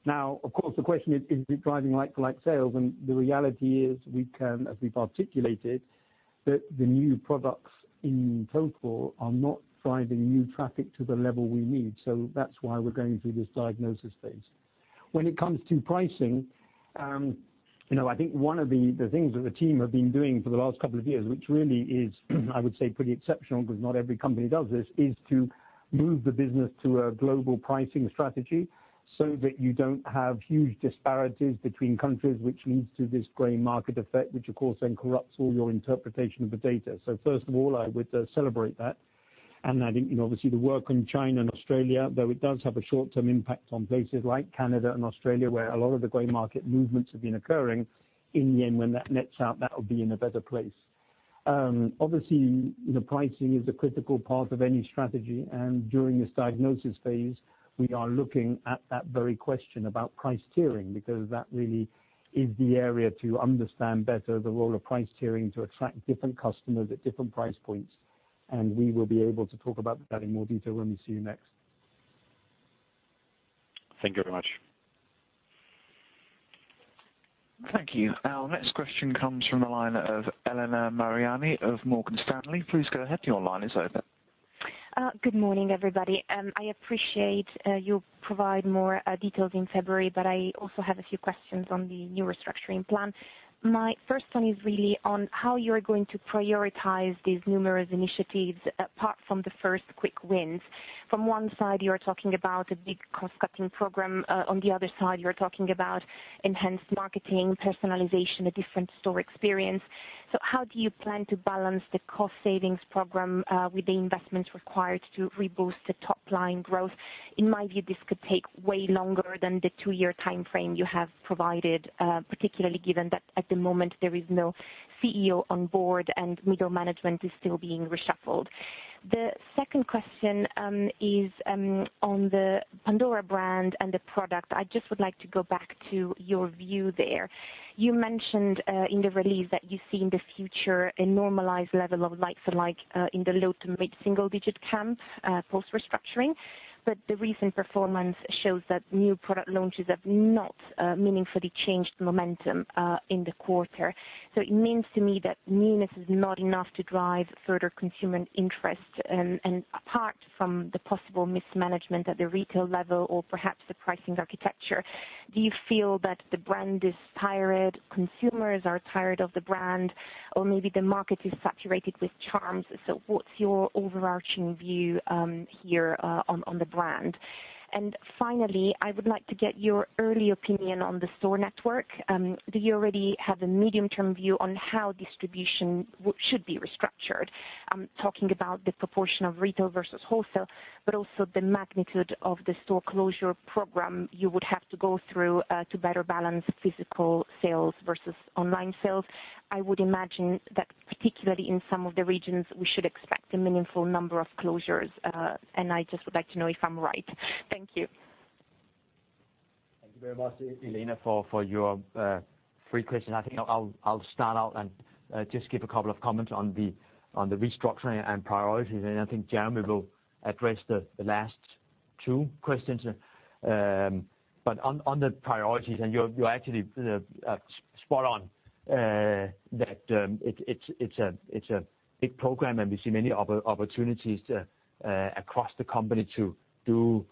Now, of course, the question is: Is it driving like-for-like sales? The reality is, we can, as we've articulated, that the new products in total are not driving new traffic to the level we need, so that's why we're going through this diagnosis phase. When it comes to pricing, you know, I think one of the things that the team have been doing for the last couple of years, which really is, I would say pretty exceptional, because not every company does this, is to move the business to a global pricing strategy, so that you don't have huge disparities between countries, which leads to this Gray Market effect, which of course, then corrupts all your interpretation of the data. So first of all, I would celebrate that. And I think, you know, obviously, the work in China and Australia, though it does have a short-term impact on places like Canada and Australia, where a lot of the gray market movements have been occurring, in the end, when that nets out, that will be in a better place. Obviously, the pricing is a critical part of any strategy, and during this diagnosis phase, we are looking at that very question about price tiering, because that really is the area to understand better the role of price tiering, to attract different customers at different price points. And we will be able to talk about that in more detail when we see you next. Thank you very much. Thank you. Our next question comes from the line of Elena Mariani of Morgan Stanley. Please go ahead, your line is open. Good morning, everybody. I appreciate you'll provide more details in February, but I also have a few questions on the new restructuring plan. My first one is really on how you're going to prioritize these numerous initiatives, apart from the first quick wins. From one side, you are talking about a big cost-cutting program, on the other side, you're talking about enhanced marketing, personalization, a different store experience. So how do you plan to balance the cost savings program, with the investments required to re-boost the top line growth? In my view, this could take way longer than the two-year timeframe you have provided, particularly given that, at the moment, there is no CEO on board, and middle management is still being reshuffled. The second question is on the Pandora brand and the product. I just would like to go back to your view there. You mentioned in the release that you see in the future a normalized level of like-for-like in the low- to mid-single-digit camp post-restructuring. But the recent performance shows that new product launches have not meaningfully changed momentum in the quarter. So it means to me that newness is not enough to drive further consumer interest. And apart from the possible mismanagement at the retail level, or perhaps the pricing architecture, do you feel that the brand is tired, consumers are tired of the brand, or maybe the market is saturated with charms? So what's your overarching view here on the brand? And finally, I would like to get your early opinion on the store network. Do you already have a medium-term view on how distribution should be restructured? I'm talking about the proportion of retail versus wholesale, but also the magnitude of the store closure program you would have to go through, to better balance physical sales versus online sales. I would imagine that particularly in some of the regions, we should expect a meaningful number of closures, and I just would like to know if I'm right. Thank you. Thank you very much, Elena, for your three questions. I think I'll start out and just give a couple of comments on the restructuring and priorities, and I think Jeremy will address the last two questions. But on the priorities, and you're actually spot on that it's a big program, and we see many opportunities across the company to do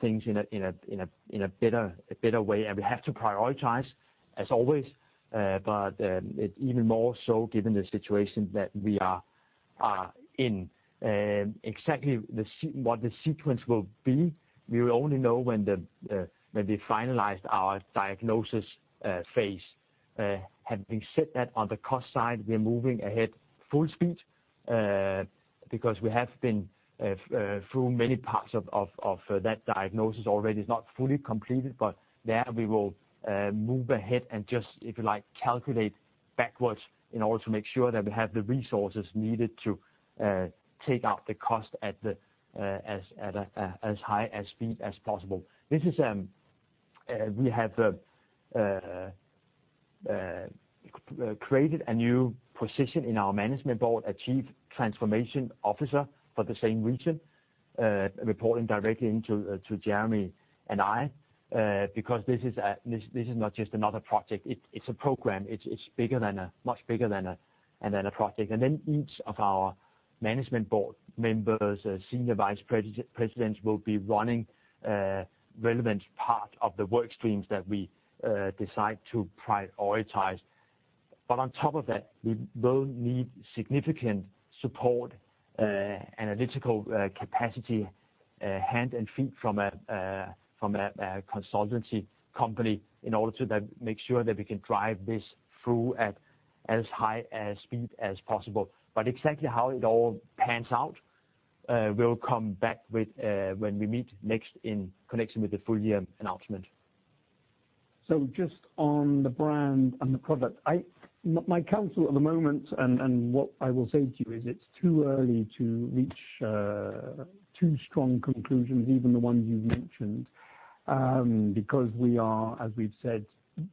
things in a better way. And we have to prioritize as always, but it even more so given the situation that we are in. Exactly what the sequence will be, we will only know when we finalized our diagnosis phase. Having said that, on the cost side, we are moving ahead full speed because we have been through many parts of that diagnosis already. It's not fully completed, but there we will move ahead and just, if you like, calculate backwards in order to make sure that we have the resources needed to take out the cost at as high a speed as possible. We have created a new position in our management board, a Chief Transformation Officer for the same region, reporting directly into Jeremy and I. Because this is not just another project, it's a program. It's much bigger than a project. And then each of our management board members, senior vice presidents, will be running a relevant part of the work streams that we decide to prioritize. But on top of that, we will need significant support, analytical capacity, hand and feet from a consultancy company in order to then make sure that we can drive this through at as high a speed as possible. But exactly how it all pans out, we'll come back with when we meet next in connection with the full year announcement. So just on the brand and the product, my counsel at the moment, and what I will say to you, is it's too early to reach too strong conclusions, even the ones you've mentioned, because we are, as we've said,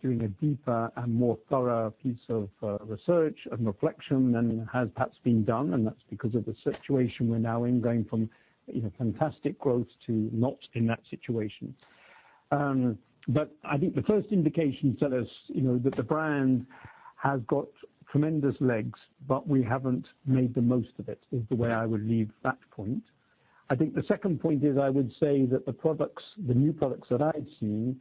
doing a deeper and more thorough piece of research and reflection than has perhaps been done, and that's because of the situation we're now in, going from, you know, fantastic growth to not in that situation. But I think the first indications tell us, you know, that the brand has got tremendous legs, but we haven't made the most of it, is the way I would leave that point. I think the second point is, I would say that the products, the new products that I've seen,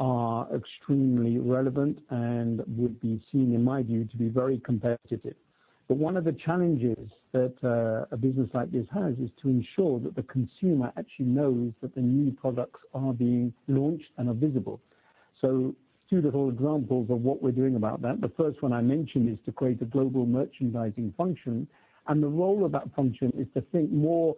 are extremely relevant and would be seen, in my view, to be very competitive. But one of the challenges that, a business like this has, is to ensure that the consumer actually knows that the new products are being launched and are visible. So two little examples of what we're doing about that, the first one I mentioned is to create a global merchandising function, and the role of that function is to think more,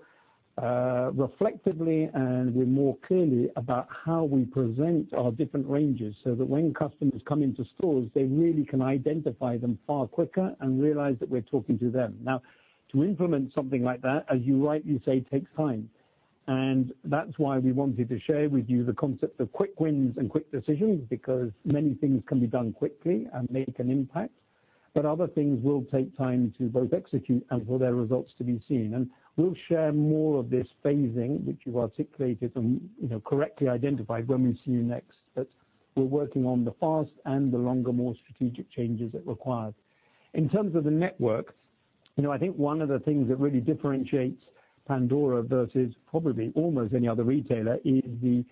reflectively and with more clearly about how we present our different ranges, so that when customers come into stores, they really can identify them far quicker and realize that we're talking to them. Now, to implement something like that, as you rightly say, takes time. That's why we wanted to share with you the concept of quick wins and quick decisions, because many things can be done quickly and make an impact, but other things will take time to both execute and for their results to be seen. We'll share more of this phasing, which you've articulated and, you know, correctly identified when we see you next, but we're working on the fast and the longer, more strategic changes it requires. In terms of the network, you know, I think one of the things that really differentiates Pandora versus probably almost any other retailer is the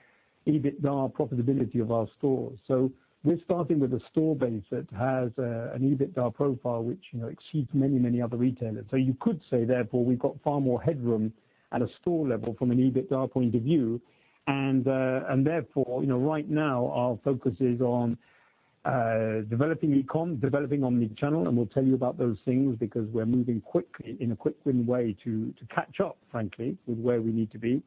EBITDA profitability of our stores. So we're starting with a store base that has an EBITDA profile, which, you know, exceeds many, many other retailers. So you could say, therefore, we've got far more headroom at a store level from an EBITDA point of view. And, and therefore, you know, right now our focus is on, developing e-com, developing omni-channel, and we'll tell you about those things, because we're moving quickly, in a quick-win way to, catch up, frankly, with where we need to be.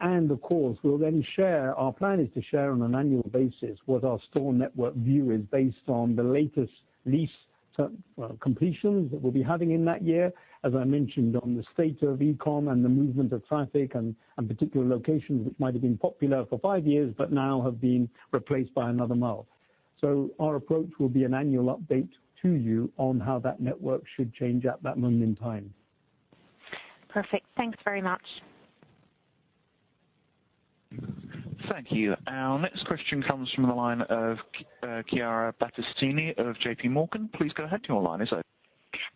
And of course, we'll then share. Our plan is to share on an annual basis what our store network view is, based on the latest lease term completions that we'll be having in that year, as I mentioned, on the state of e-com and the movement of traffic and, particular locations, which might have been popular for five years, but now have been replaced by another mall. So our approach will be an annual update to you on how that network should change at that moment in time. Perfect. Thanks very much. Thank you. Our next question comes from the line of Chiara Battistini of JPMorgan. Please go ahead, your line is open.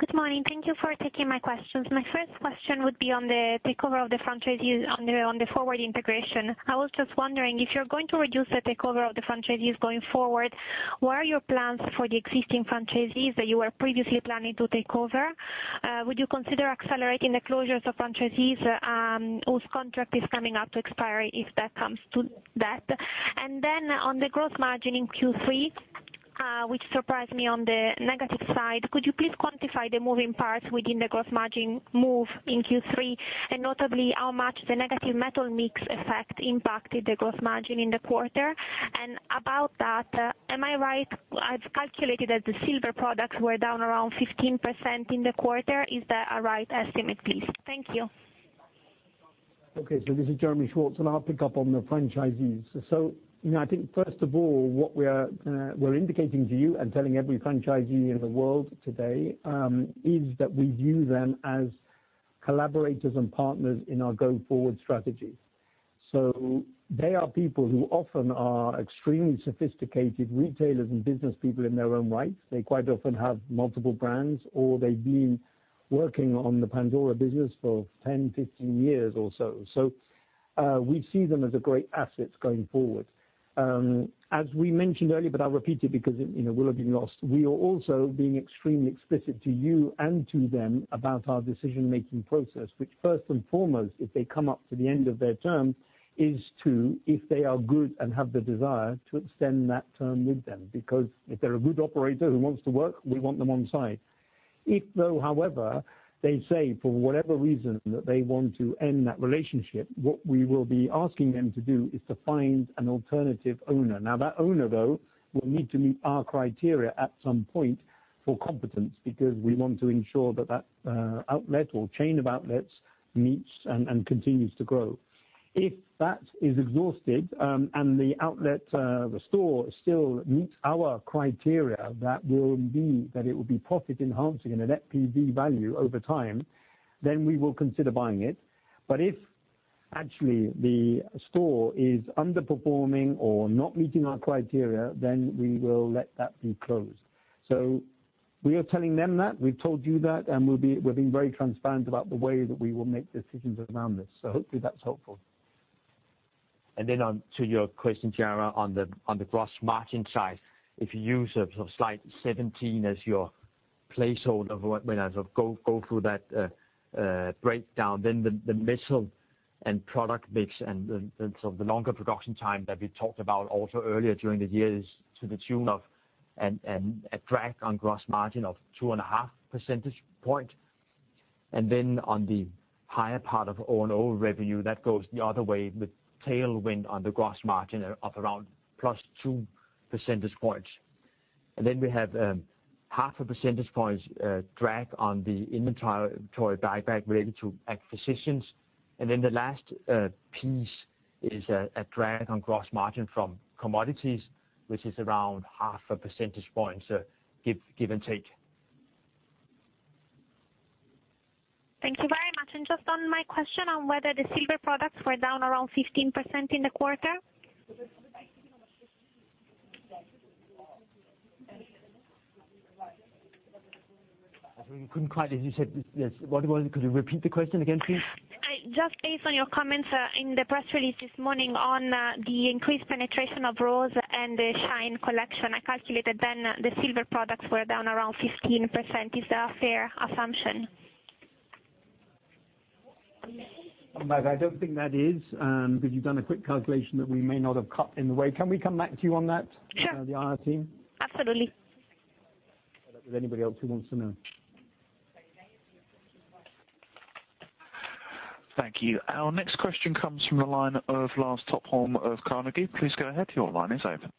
Good morning. Thank you for taking my questions. My first question would be on the takeover of the franchisees on the, on the forward integration. I was just wondering, if you're going to reduce the takeover of the franchisees going forward, what are your plans for the existing franchisees that you were previously planning to take over? Would you consider accelerating the closures of franchisees, whose contract is coming up to expiry, if that comes to that? And then on the gross margin in Q3, which surprised me on the negative side, could you please quantify the moving parts within the gross margin move in Q3, and notably, how much the negative metal mix effect impacted the gross margin in the quarter? And about that, am I right, I've calculated that the silver products were down around 15% in the quarter. Is that a right estimate, please? Thank you. Okay. So this is Jeremy Schwartz, and I'll pick up on the franchisees. So, you know, I think first of all, what we are, we're indicating to you and telling every franchisee in the world today, is that we view them as collaborators and partners in our go-forward strategy. So they are people who often are extremely sophisticated retailers and business people in their own right. They quite often have multiple brands, or they've been working on the Pandora business for 10, 15 years or so. So, we see them as a great asset going forward. As we mentioned earlier, but I'll repeat it because, you know, it will have been lost, we are also being extremely explicit to you and to them about our decision-making process, which first and foremost, if they come up to the end of their term, is to, if they are good and have the desire, to extend that term with them, because if they're a good operator who wants to work, we want them on site. If though, however, they say, for whatever reason, that they want to end that relationship, what we will be asking them to do is to find an alternative owner. Now, that owner, though, will need to meet our criteria at some point for competence, because we want to ensure that that outlet or chain of outlets meets and continues to grow. If that is exhausted, and the outlet, the store still meets our criteria, that will mean that it will be profit enhancing and an EPV value over time, then we will consider buying it. But if actually the store is underperforming or not meeting our criteria, then we will let that be closed. So we are telling them that, we've told you that, and we're being very transparent about the way that we will make decisions around this. So hopefully that's helpful. Then on to your question, Chiara, on the gross margin side, if you use sort of slide 17 as your placeholder of what, when I sort of go through that breakdown, then the mix and product mix and the longer production time that we talked about also earlier during the year is to the tune of a drag on gross margin of 2.5 percentage points. And then on the higher part of O&O revenue, that goes the other way, with tailwind on the gross margin of around +2 percentage points. And then we have 0.5 percentage points drag on the inventory buyback related to acquisitions. Then the last piece is a drag on gross margin from commodities, which is around 0.5 percentage points, so give and take.... Thank you very much. And just on my question on whether the silver products were down around 15% in the quarter? I couldn't quite, as you said, yes. What was it? Could you repeat the question again, please? I just based on your comments in the press release this morning on the increased penetration of Rose and the Shine collection, I calculated then the silver products were down around 15%. Is that a fair assumption? But I don't think that is, because you've done a quick calculation that we may not have caught in the way. Can we come back to you on that? Sure. -The IR team? Absolutely. With anybody else who wants to know. Thank you. Our next question comes from the line of Lars Topholm of Carnegie. Please go ahead, your line is open.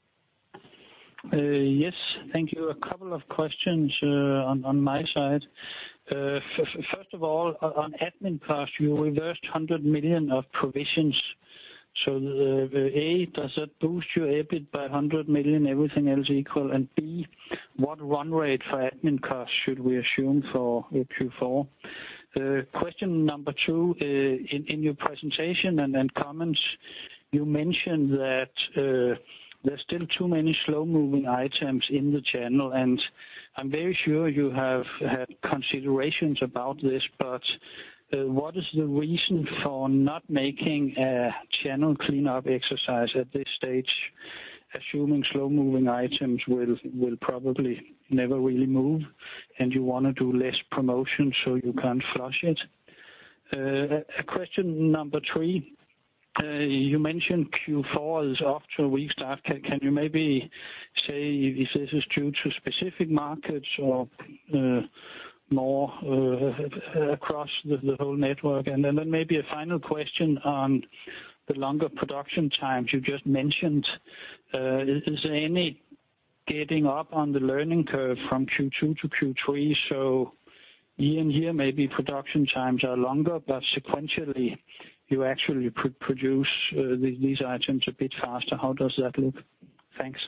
Yes, thank you. A couple of questions on my side. First of all, on admin costs, you reversed 100 million of provisions. So, A, does that boost your EBIT by 100 million, everything else equal? And B, what run rate for admin costs should we assume for Q4? Question number two, in your presentation and then comments, you mentioned that there's still too many slow-moving items in the channel, and I'm very sure you have had considerations about this, but what is the reason for not making a channel cleanup exercise at this stage, assuming slow-moving items will probably never really move, and you want to do less promotion, so you can't flush it? Question number three, you mentioned Q4 is off to a weak start. Can you maybe say if this is due to specific markets or more across the whole network? And then maybe a final question on the longer production times you just mentioned. Is there any getting up on the learning curve from Q2 to Q3? So year-on-year, maybe production times are longer, but sequentially, you actually produce these items a bit faster. How does that look? Thanks.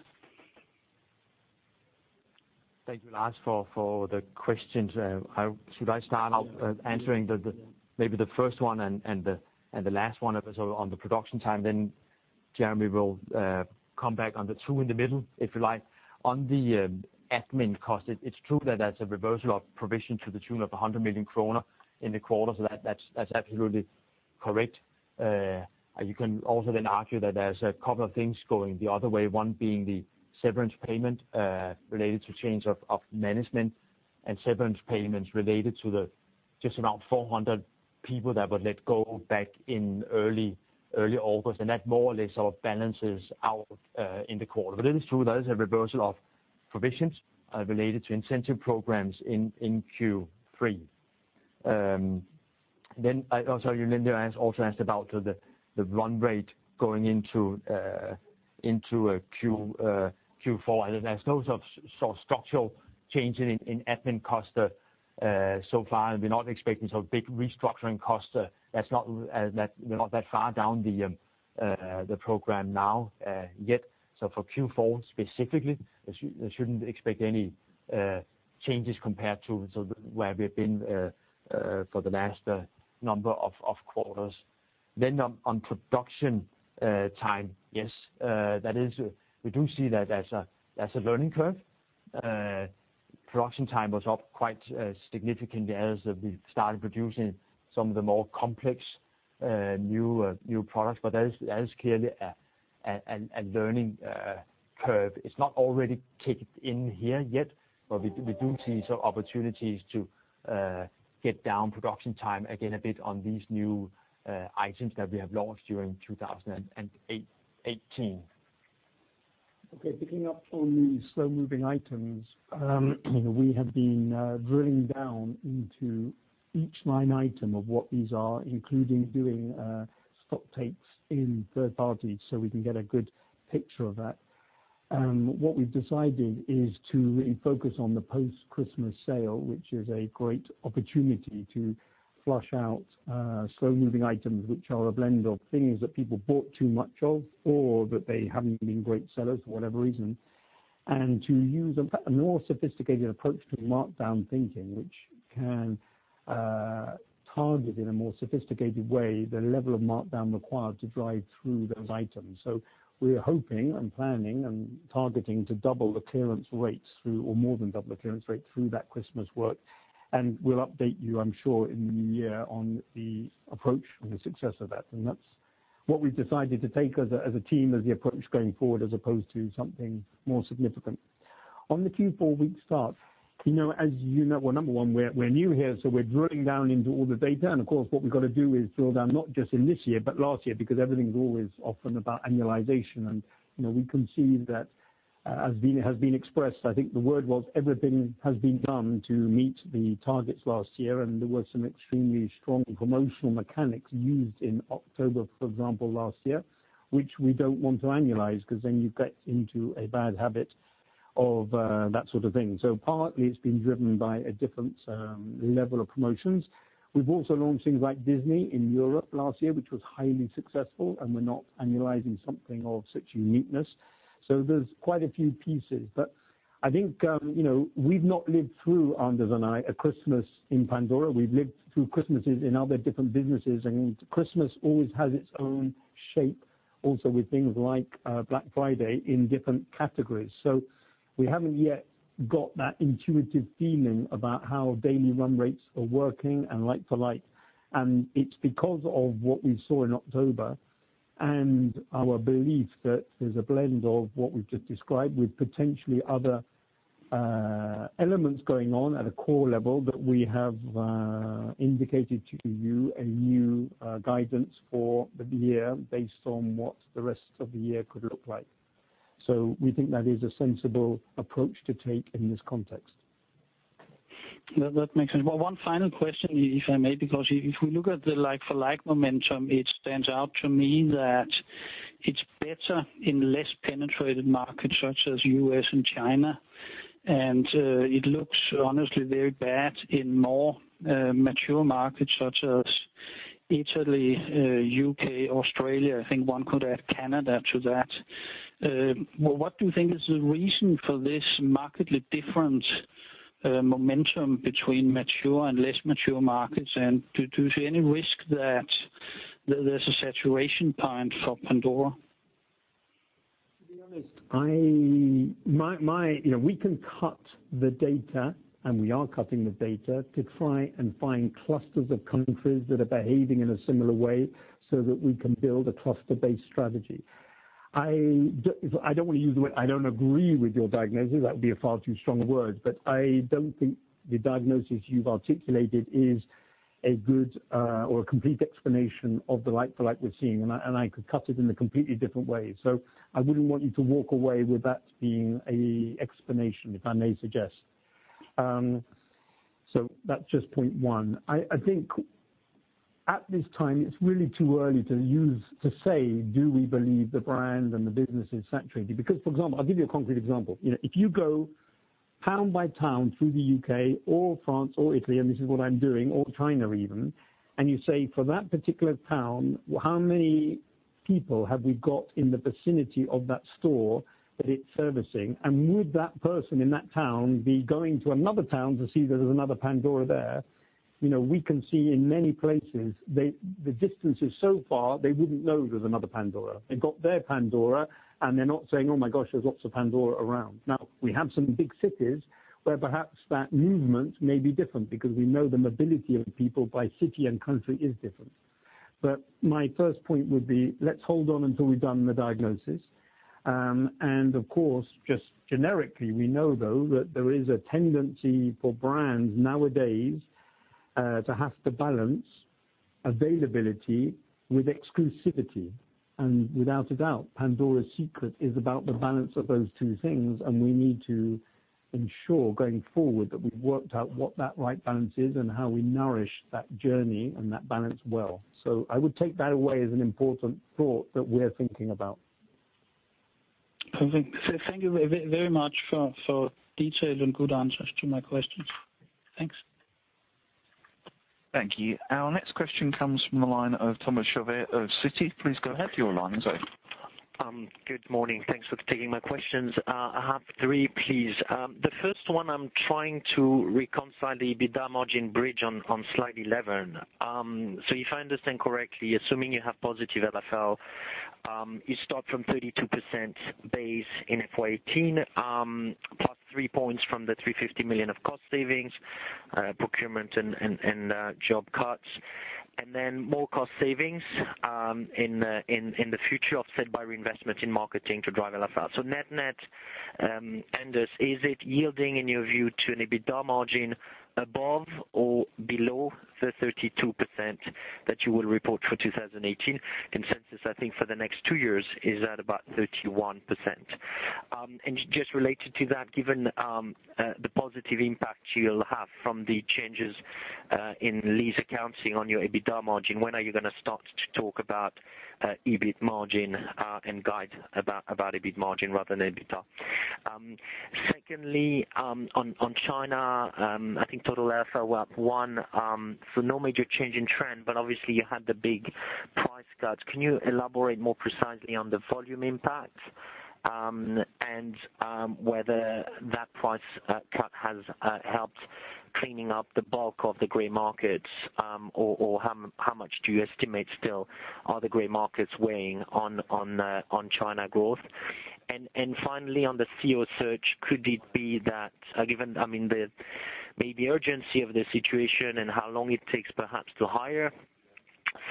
Thank you, Lars, for the questions. Should I start out answering the maybe the first one and the last one of us on the production time? Then Jeremy will come back on the two in the middle, if you like. On the admin cost, it's true that that's a reversal of provision to the tune of 100 million kroner in the quarter, so that's absolutely correct. You can also then argue that there's a couple of things going the other way, one being the severance payment related to change of management, and severance payments related to the just about 400 people that were let go back in early August. And that more or less sort of balances out in the quarter. But it is true, there is a reversal of provisions related to incentive programs in Q3. Then I also, you then also asked about the run rate going into Q4. And there's no sort of structural change in admin costs so far, and we're not expecting sort of big restructuring costs. That's not that far down the Programme NOW yet. So for Q4, specifically, you shouldn't expect any changes compared to sort of where we've been for the last number of quarters. Then on production time, yes, that is, we do see that as a learning curve. Production time was up quite significantly as we started producing some of the more complex new products, but that is clearly a learning curve. It's not already kicked in here yet, but we do see some opportunities to get down production time again, a bit on these new items that we have launched during 2018. Okay, picking up on the slow-moving items, we have been drilling down into each line item of what these are, including doing stock takes in third party, so we can get a good picture of that. What we've decided is to really focus on the post-Christmas sale, which is a great opportunity to flush out slow-moving items, which are a blend of things that people bought too much of, or that they haven't been great sellers for whatever reason. And to use a more sophisticated approach to markdown thinking, which can target, in a more sophisticated way, the level of markdown required to drive through those items. So we're hoping and planning and targeting to double the clearance rates through, or more than double the clearance rate through that Christmas work, and we'll update you, I'm sure, in the new year on the approach and the success of that. And that's what we've decided to take as a, as a team, as the approach going forward, as opposed to something more significant. On the Q4 weak start, you know, as you know, well, number one, we're, we're new here, so we're drilling down into all the data. And of course, what we've got to do is drill down not just in this year, but last year, because everything is always often about annualization. You know, we can see that as being, has been expressed, I think the word was, everything has been done to meet the targets last year, and there were some extremely strong promotional mechanics used in October, for example, last year, which we don't want to annualize, because then you get into a bad habit of that sort of thing. So partly, it's been driven by a different level of promotions. We've also launched things like Disney in Europe last year, which was highly successful, and we're not annualizing something of such uniqueness. So there's quite a few pieces. But I think, you know, we've not lived through, Anders and I, a Christmas in Pandora. We've lived through Christmases in other different businesses, and Christmas always has its own shape... also with things like Black Friday in different categories. We haven't yet got that intuitive feeling about how daily run rates are working and like-for-like, and it's because of what we saw in October, and our belief that there's a blend of what we've just described, with potentially other elements going on at a core level, that we have indicated to you a new guidance for the year based on what the rest of the year could look like. We think that is a sensible approach to take in this context. That, that makes sense. Well, one final question, if I may, because if we look at the like-for-like momentum, it stands out to me that it's better in less penetrated markets, such as U.S., and China, and it looks honestly very bad in more mature markets such as Italy, U.K., Australia. I think one could add Canada to that. Well, what do you think is the reason for this markedly different momentum between mature and less mature markets? And do you see any risk that there's a saturation point for Pandora? To be honest, you know, we can cut the data, and we are cutting the data, to try and find clusters of countries that are behaving in a similar way so that we can build a cluster-based strategy. I don't wanna use the word, I don't agree with your diagnosis, that would be a far too strong word, but I don't think the diagnosis you've articulated is a good or a complete explanation of the like-for-like we're seeing, and I could cut it in a completely different way. So I wouldn't want you to walk away with that being a explanation, if I may suggest. So that's just point one. I think at this time, it's really too early to say, do we believe the brand and the business is saturating? Because, for example, I'll give you a concrete example, you know, if you go town by town through the U.K. or France or Italy, and this is what I'm doing, or China even, and you say, "For that particular town, how many people have we got in the vicinity of that store that it's servicing? And would that person in that town be going to another town to see that there's another Pandora there?" You know, we can see in many places, they, the distance is so far, they wouldn't know there's another Pandora. They've got their Pandora, and they're not saying, "Oh, my gosh, there's lots of Pandora around." Now, we have some big cities where perhaps that movement may be different, because we know the mobility of people by city and country is different. But my first point would be, let's hold on until we've done the diagnosis. And of course, just generically, we know, though, that there is a tendency for brands nowadays to have to balance availability with exclusivity. And without a doubt, Pandora's secret is about the balance of those two things, and we need to ensure going forward that we've worked out what that right balance is, and how we nourish that journey and that balance well. So I would take that away as an important thought that we're thinking about. Perfect. So thank you very much for detailed and good answers to my questions. Thanks. Thank you. Our next question comes from the line of Thomas Chauvet of Citi. Please go ahead, your line is open. Good morning. Thanks for taking my questions. I have three, please. The first one, I'm trying to reconcile the EBITDA margin bridge on slide 11. So if I understand correctly, assuming you have positive LFL, you start from 32% base in FY18, plus three points from the 350 million of cost savings, procurement and job cuts, and then more cost savings in the future, offset by reinvestment in marketing to drive LFL. So net-net, Anders, is it yielding, in your view, to an EBITDA margin above or below the 32% that you will report for 2018? Consensus, I think, for the next two years is at about 31%. And just related to that, given the positive impact you'll have from the changes in lease accounting on your EBITDA margin, when are you gonna start to talk about EBIT margin, and guide about EBIT margin rather than EBITDA? Secondly, on China, I think total LFL were up one, so no major change in trend, but obviously you had the big price cuts. Can you elaborate more precisely on the volume impacts, and whether that price cut has helped cleaning up the bulk of the gray markets, or how much do you estimate still are the gray markets weighing on China growth? Finally, on the CEO search, could it be that, given, I mean, the maybe urgency of the situation and how long it takes perhaps to hire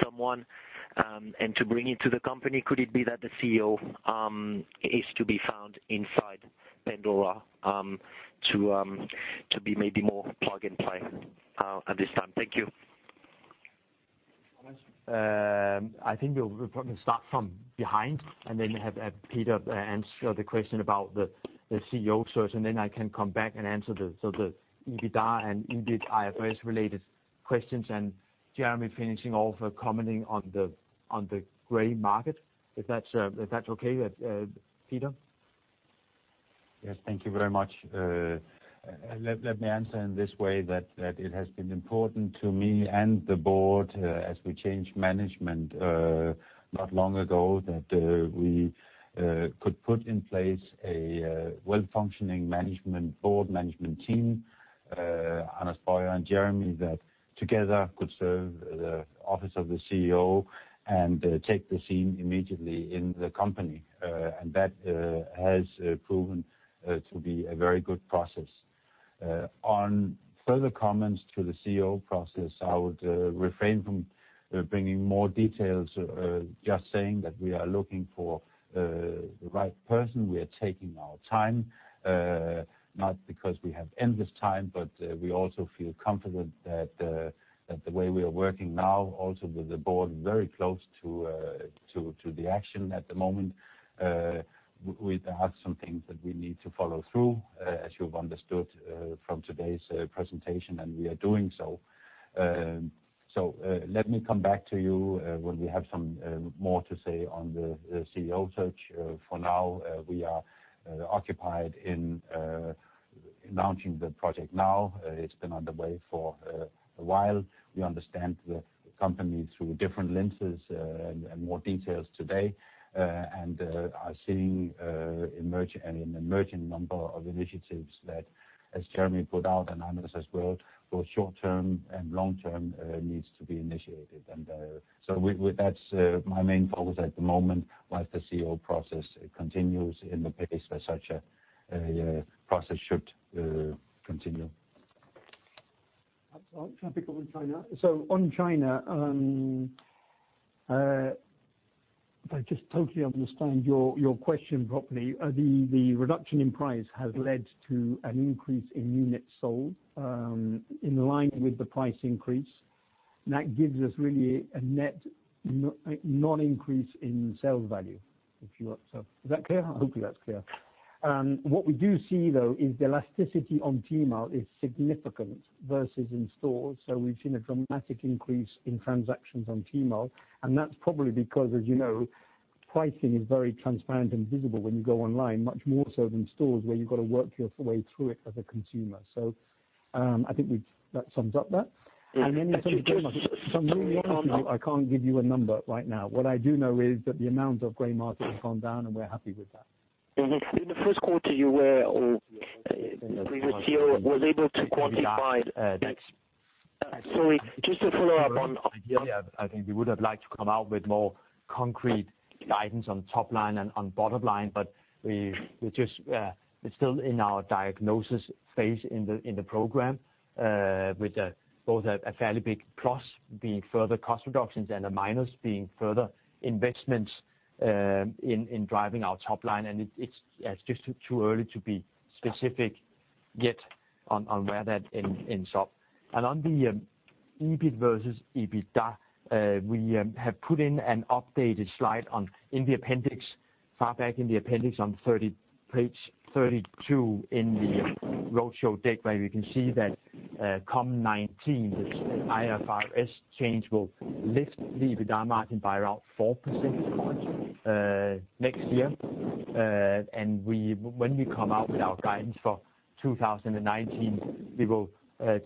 someone, and to bring into the company, could it be that the CEO is to be found inside Pandora, to be maybe more plug and play, at this time? Thank you. I think we'll probably start from behind, and then have Peder answer the question about the, the CEO search, and then I can come back and answer the, so the EBITDA and indeed, IFRS-related questions, and Jeremy finishing off commenting on the, on the gray market, if that's, if that's okay, Peder? Yes, thank you very much. Let me answer in this way, that it has been important to me and the board, as we changed management not long ago, that we could put in place a well-functioning board and management team, Anders Boyer and Jeremy, that together could serve the office of the CEO and take the reins immediately in the company. And that has proven to be a very good process.... On further comments to the CEO process, I would refrain from bringing more details, just saying that we are looking for the right person. We are taking our time, not because we have endless time, but we also feel confident that the way we are working now, also with the board, very close to the action at the moment. There are some things that we need to follow through, as you've understood from today's presentation, and we are doing so. So, let me come back to you when we have some more to say on the CEO search. For now, we are occupied in announcing the Programme NOW. It's been underway for a while. We understand the company through different lenses and more details today and are seeing an emerging number of initiatives that, as Jeremy put out, and Anders as well, both short-term and long-term, needs to be initiated. And so that's my main focus at the moment, whilst the CEO process continues in the pace that such a process should continue. Can I pick up on China? So on China, if I just totally understand your question properly, the reduction in price has led to an increase in units sold in line with the price increase, and that gives us really a net non-increase in sales value, if you want, so. Is that clear? Hopefully, that's clear. What we do see, though, is the elasticity on Tmall is significant versus in stores, so we've seen a dramatic increase in transactions on Tmall, and that's probably because, as you know, pricing is very transparent and visible when you go online, much more so than stores, where you've got to work your way through it as a consumer. So, I think that sums up that. And then- If I'm being honest with you, I can't give you a number right now. What I do know is that the amount of Gray Market has gone down, and we're happy with that. In the first quarter, or the previous CEO was able to quantify- Uh, that's- Sorry, just to follow up on- Yeah, I think we would have liked to come out with more concrete guidance on top line and on bottom line, but we're just, we're still in our diagnosis phase in the program. With both a fairly big plus, being further cost reductions, and a minus, being further investments, in driving our top line, and it's just too early to be specific yet on where that ends up. And on the EBIT versus EBITDA, we have put in an updated slide in the appendix, far back in the appendix on page 32 in the roadshow deck, where you can see that, come 2019, the IFRS change will lift the EBITDA margin by around 4%, next year. When we come out with our guidance for 2019, we will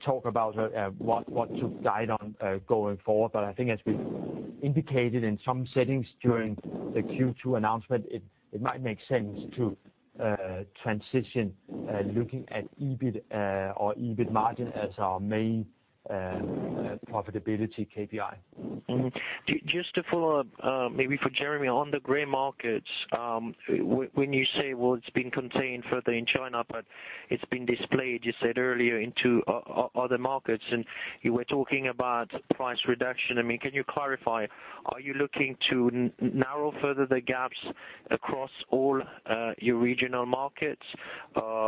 talk about what to guide on going forward. But I think as we've indicated in some settings during the Q2 announcement, it might make sense to transition looking at EBIT or EBIT margin as our main profitability KPI. Mm-hmm. Just to follow up, maybe for Jeremy, on the gray markets, when you say, well, it's been contained further in China, but it's been displayed, you said earlier, into other markets, and you were talking about price reduction. I mean, can you clarify, are you looking to narrow further the gaps across all your regional markets? Or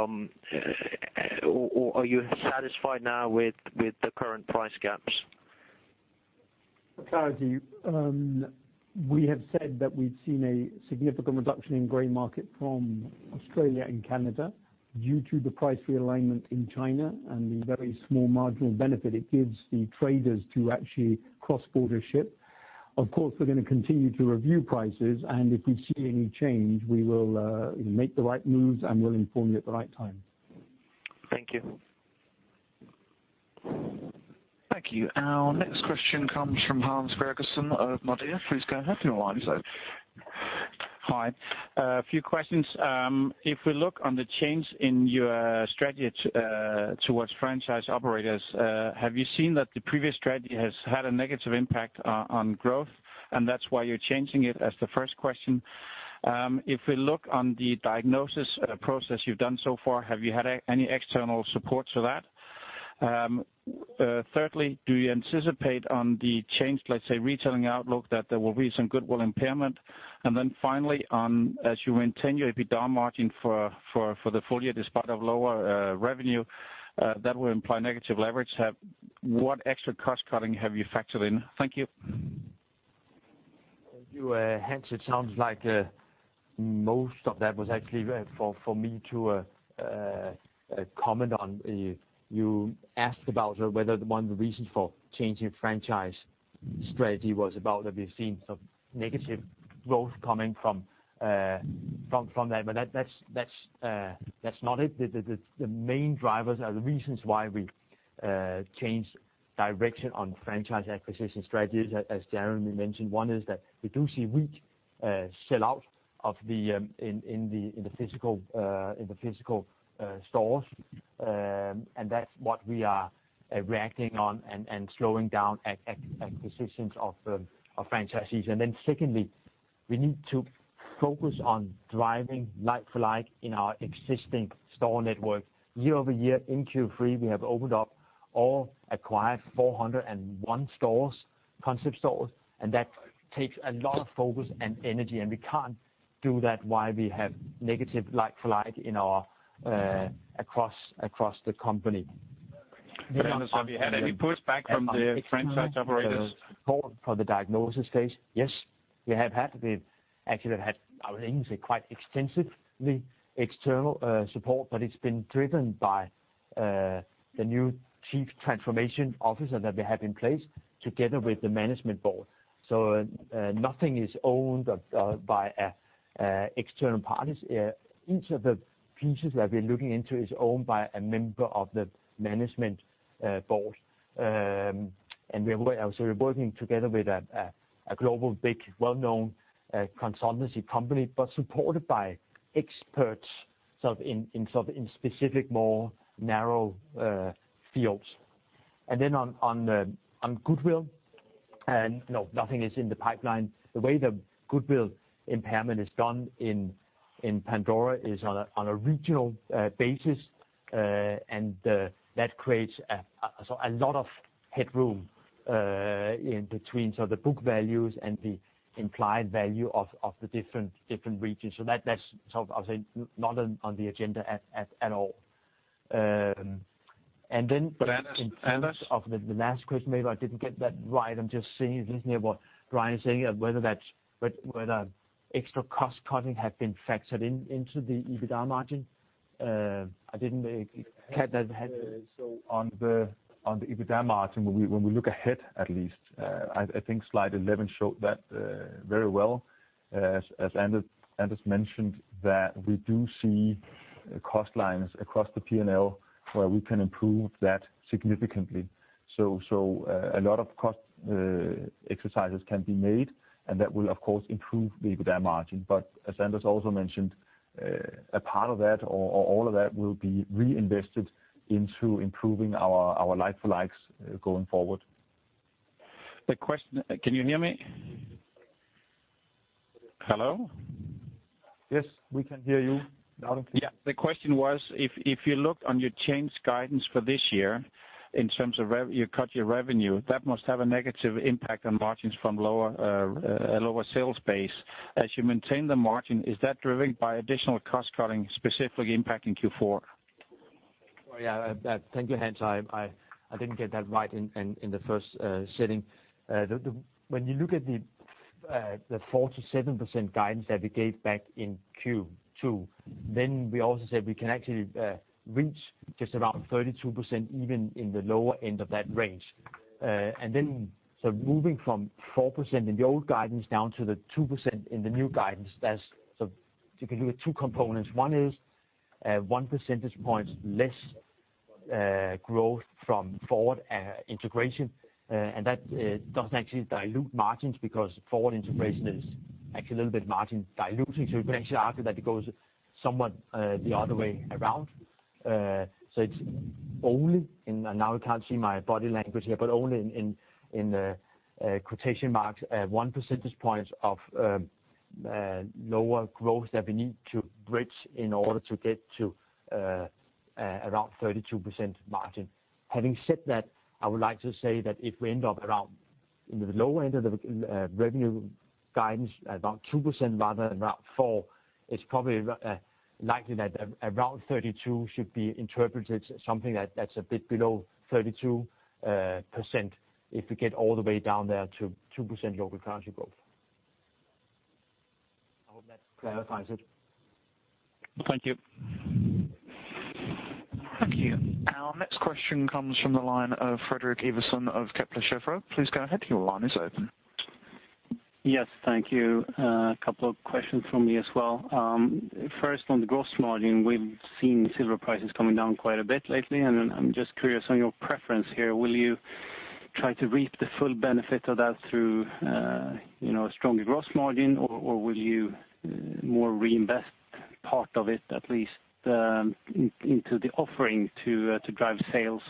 are you satisfied now with the current price gaps? For clarity, we have said that we've seen a significant reduction in Gray Market from Australia and Canada due to the price realignment in China and the very small marginal benefit it gives the traders to actually cross-border ship. Of course, we're gonna continue to review prices, and if we see any change, we will make the right moves, and we'll inform you at the right time. Thank you. Thank you. Our next question comes from Hans Gregersen of Nordea. Please go ahead. Hi. A few questions. If we look on the change in your strategy towards franchise operators, have you seen that the previous strategy has had a negative impact on growth, and that's why you're changing it? As the first question. If we look on the diagnosis process you've done so far, have you had any external support for that? Thirdly, do you anticipate on the change, let's say, retailing outlook, that there will be some goodwill impairment? And then finally, as you maintain your EBITDA margin for the full year, despite lower revenue, that will imply negative leverage. What extra cost cutting have you factored in? Thank you. Thank you, Hans. It sounds like most of that was actually for me to comment on. You asked about whether one of the reasons for changing franchise strategy was about, have you seen some negative growth coming from that? But that's not it. The main drivers or the reasons why we changed direction on franchise acquisition strategies, as Jeremy mentioned, one is that we do see weak sell-out in the physical stores. And that's what we are reacting on and slowing down acquisitions of franchises. And then secondly, we need to focus on driving like-for-like in our existing store network. Year-over-year, in Q3, we have opened up or acquired 401 stores, concept stores, and that takes a lot of focus and energy, and we can't do that while we have negative like-for-like across the company. For the diagnosis phase, yes. We have had, we actually have had, I would say, quite extensively external support, but it's been driven by the new Chief Transformation Officer that we have in place together with the Management Board. So, nothing is owned by external parties. Each of the pieces that we're looking into is owned by a member of the Management Board. And we're also working together with a global, big, well-known consultancy company, but supported by experts, sort of, in specific, more narrow fields. And then on the goodwill, no, nothing is in the pipeline. The way the goodwill impairment is done in Pandora is on a regional basis, and that creates a lot of headroom in between the book values and the implied value of the different regions. So that's sort of, I would say, not on the agenda at all. And then- Anders? Anders? Of the last question, maybe I didn't get that right. I'm just seeing, listening to what Brian is saying, whether that's, whether extra cost cutting have been factored in, into the EBITDA margin. I didn't get that. So on the EBITDA margin, when we look ahead, at least, I think slide 11 showed that very well. As Anders mentioned, that we do see cost lines across the PNL where we can improve that significantly. So a lot of cost exercises can be made, and that will, of course, improve the EBITDA margin. But as Anders also mentioned, a part of that or all of that will be reinvested into improving our like-for-likes going forward. The question... Can you hear me? Hello? Yes, we can hear you now. Yeah. The question was, if you look on your changed guidance for this year, in terms of you cut your revenue, that must have a negative impact on margins from lower, a lower sales base. As you maintain the margin, is that driven by additional cost cutting, specifically impacting Q4? Well, yeah, thank you, Hans. I didn't get that right in the first sitting. When you look at the 4%-7% guidance that we gave back in Q2, then we also said we can actually reach just around 32%, even in the lower end of that range. And then, so moving from 4% in the old guidance down to the 2% in the new guidance, that's, so you can look at two components. One is one percentage point less growth from forward integration, and that doesn't actually dilute margins because forward integration is actually a little bit margin diluting. So you can actually argue that it goes somewhat the other way around. So it's only, and now you can't see my body language here, but only in quotation marks, one percentage point of lower growth that we need to bridge in order to get to around 32% margin. Having said that, I would like to say that if we end up around in the lower end of the revenue guidance, about 2% rather than around 4%, it's probably likely that around 32% should be interpreted something that that's a bit below 32%, if we get all the way down there to 2% local currency growth. I hope that clarifies it. Thank you. Thank you. Our next question comes from the line of Fredrik Ivarsson of Kepler Cheuvreux. Please go ahead. Your line is open. Yes, thank you. A couple of questions from me as well. First, on the gross margin, we've seen silver prices coming down quite a bit lately, and I'm just curious on your preference here. Will you try to reap the full benefit of that through, you know, a stronger gross margin, or, or will you more reinvest part of it, at least, into the offering to, to drive sales?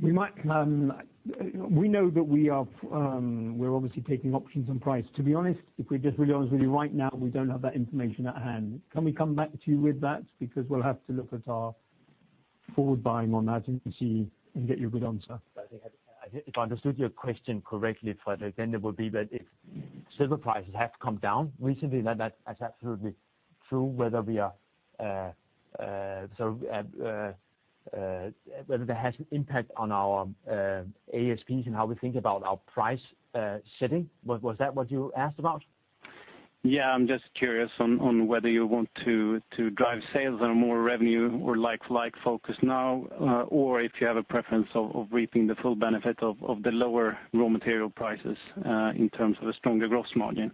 We might, we know that we are, we're obviously taking options on price. To be honest, if we're just really honest with you, right now, we don't have that information at hand. Can we come back to you with that? Because we'll have to look at our forward buying on that and see, and get you a good answer. If I understood your question correctly, Fredrik, then it would be that if silver prices have come down recently, then that is absolutely true, whether that has an impact on our ASPs and how we think about our price setting. Was that what you asked about? Yeah, I'm just curious on whether you want to drive sales or more revenue or like-for-like focus now, or if you have a preference of reaping the full benefit of the lower raw material prices in terms of a stronger gross margin.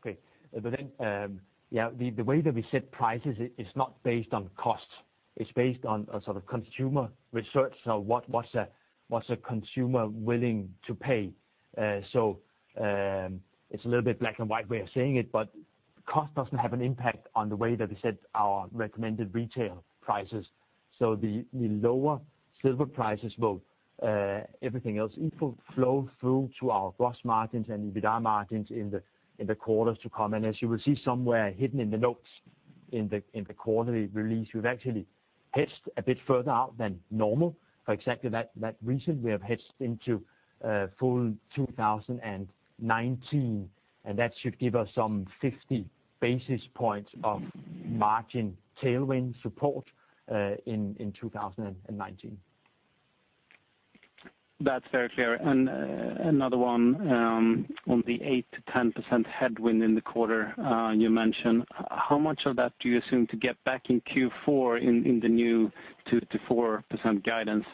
Okay. But then, yeah, the way that we set prices is not based on cost. It's based on a sort of consumer research. So what's a consumer willing to pay? So, it's a little bit black and white way of saying it, but cost doesn't have an impact on the way that we set our recommended retail prices. So the lower silver prices will, everything else equal, flow through to our gross margins and EBITDA margins in the quarters to come. And as you will see somewhere hidden in the notes, in the quarterly release, we've actually hedged a bit further out than normal. For exactly that reason, we have hedged into full 2019, and that should give us some 50 basis points of margin tailwind support in 2019. That's very clear. Another one on the 8%-10% headwind in the quarter you mentioned. How much of that do you assume to get back in Q4 in the new 2%-4% guidance?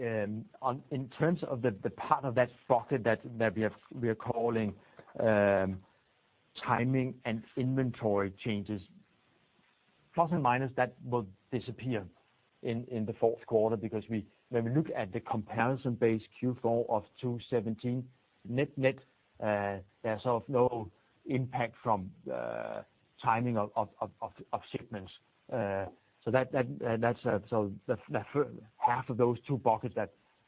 In terms of the part of that bucket that we are calling timing and inventory changes, plus and minus, that will disappear in the fourth quarter. Because when we look at the comparison base Q4 of 2017, net, there's sort of no impact from timing of shipments. So that and that's so the first half of those two buckets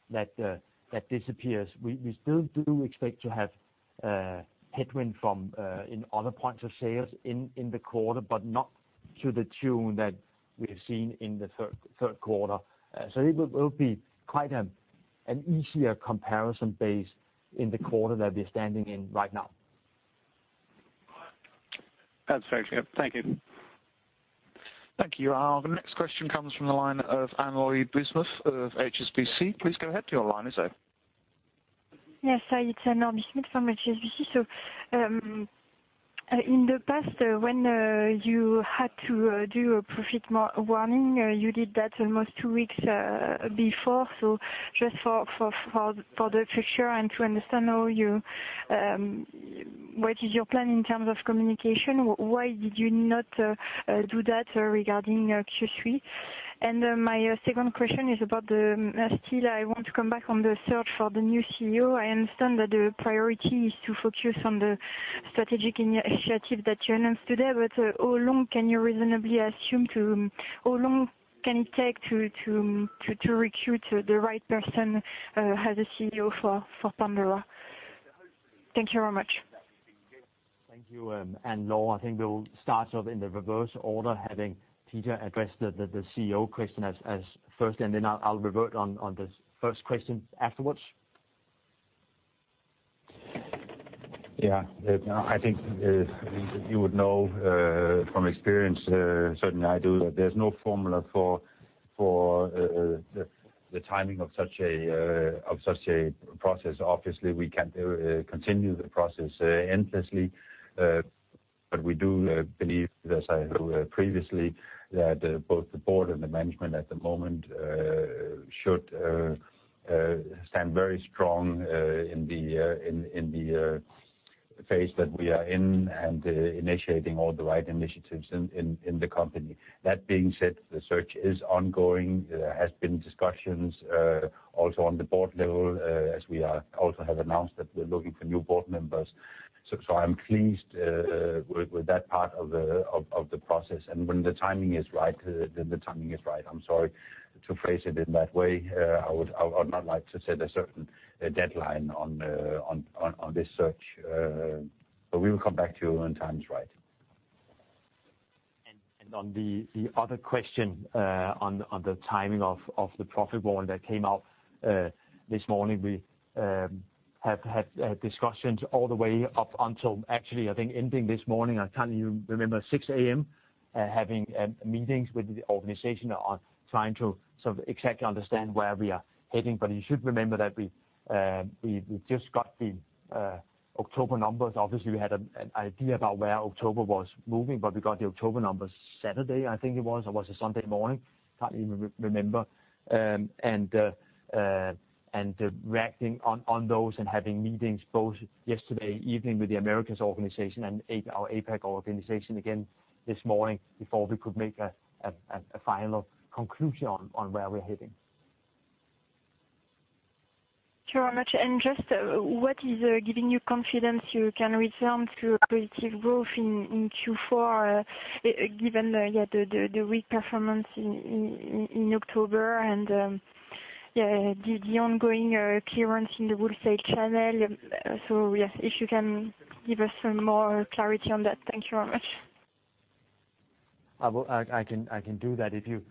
that disappears. We still do expect to have headwind from other points of sales in the quarter, but not to the tune that we've seen in the third quarter. So it will be quite an easier comparison base in the quarter that we're standing in right now. That's very clear. Thank you. Thank you. The next question comes from the line of Anne-Laure Bismuth of HSBC. Please go ahead, your line is open. Yes. Hi, it's Anne-Laure Bismuth from HSBC. So, in the past, when you had to do a profit warning, you did that almost two weeks before. So just for the future and to understand how you, what is your plan in terms of communication? Why did you not do that regarding Q3? And my second question is about the still, I want to come back on the search for the new CEO. I understand that the priority is to focus on the strategic initiative that you announced today, but how long can you reasonably assume to... How long can it take to recruit the right person as a CEO for Pandora? Thank you very much. Thank you, Anne-Laure. I think we'll start off in the reverse order, having Peder address the CEO question as first, and then I'll revert on the first question afterwards. Yeah. I think you would know from experience, certainly I do, that there's no formula for the timing of such a process. Obviously, we can't continue the process endlessly. But we do believe, as I wrote previously, that both the board and the management at the moment should stand very strong in the phase that we are in, and initiating all the right initiatives in the company. That being said, the search is ongoing. There has been discussions also on the board level, as we also have announced that we're looking for new board members. So, I'm pleased with that part of the process. When the timing is right, then the timing is right. I'm sorry to phrase it in that way. I would not like to set a certain deadline on this search, but we will come back to you when time is right. On the other question on the timing of the profit warning that came out this morning, we have had discussions all the way up until actually, I think, ending this morning. I can't even remember, 6 A.M., having meetings with the organization on trying to sort of exactly understand where we are heading. But you should remember that we just got the October numbers. Obviously, we had an idea about where October was moving, but we got the October numbers Saturday, I think it was, or was it Sunday morning? Can't even remember. Reacting on those and having meetings both yesterday evening with the Americas organization and our APAC organization again this morning, before we could make a final conclusion on where we're heading. Sure, thank you very much. And just, what is giving you confidence you can return to creative growth in Q4, given the weak performance in October, and the ongoing clearance in the wholesale channel? So, yes, if you can give us some more clarity on that. Thank you very much. I can do that. If you,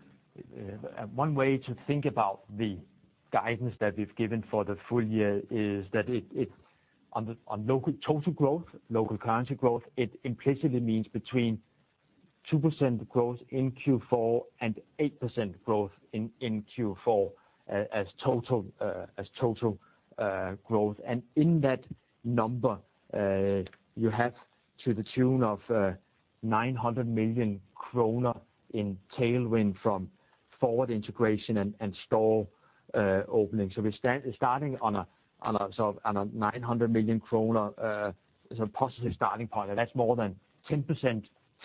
one way to think about the guidance that we've given for the full year is that it's on local total growth, local currency growth, it implicitly means between 2% growth in Q4 and 8% growth in Q4 as total growth. And in that number, you have to the tune of 900 million kroner in tailwind from forward integration and store opening. So we're starting on a so on a 900 million kroner so positive starting point, that's more than 10%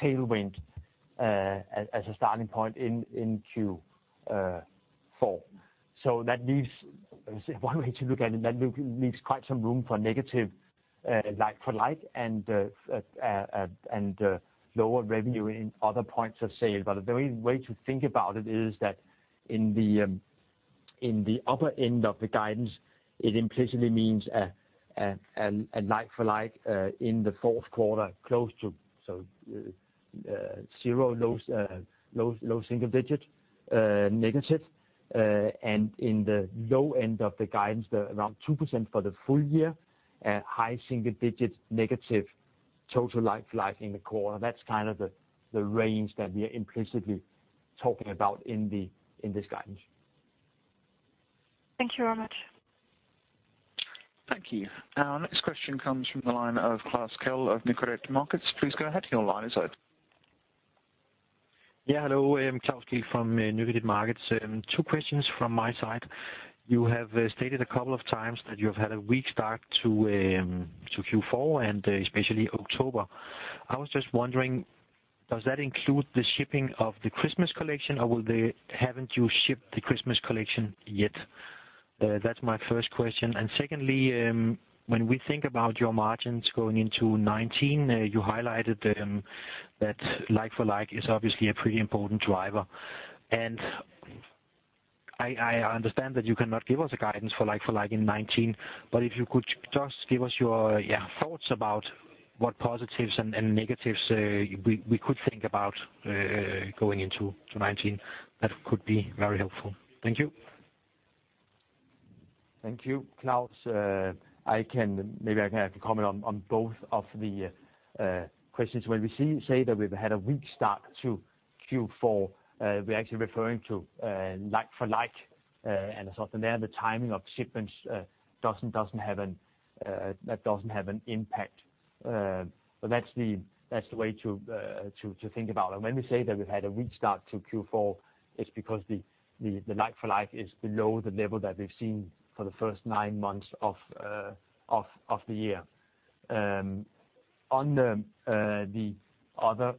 tailwind as a starting point in Q4. So that leaves, one way to look at it, that leaves quite some room for negative like-for-like and lower revenue in other points of sale. But the way to think about it is that in the upper end of the guidance, it implicitly means a like-for-like in the fourth quarter close to zero, low single digit negative. And in the low end of the guidance, around 2% for the full year, at high single digits negative total like-for-like in the quarter. That's kind of the range that we are implicitly talking about in this guidance. Thank you very much. Thank you. Our next question comes from the line of Klaus Kehl of Nykredit Markets. Please go ahead, your line is open. Yeah, hello, Klaus Kehl from Nykredit Markets. Two questions from my side. You have stated a couple of times that you've had a weak start to Q4, and especially October. I was just wondering, does that include the shipping of the Christmas collection, or haven't you shipped the Christmas collection yet? That's my first question. And secondly, when we think about your margins going into 2019, you highlighted that like-for-like is obviously a pretty important driver. And I understand that you cannot give us a guidance for like-for-like in 2019, but if you could just give us your, yeah, thoughts about what positives and negatives we could think about going into 2019, that could be very helpful. Thank you. Thank you, Klaus. Maybe I can have a comment on both of the questions. When we say that we've had a weak start to Q4, we're actually referring to like-for-like, and so there, the timing of shipments doesn't, doesn't have an, that doesn't have an impact. But that's the way to think about it. When we say that we've had a weak start to Q4, it's because the like-for-like is below the level that we've seen for the first nine months of the year. On the other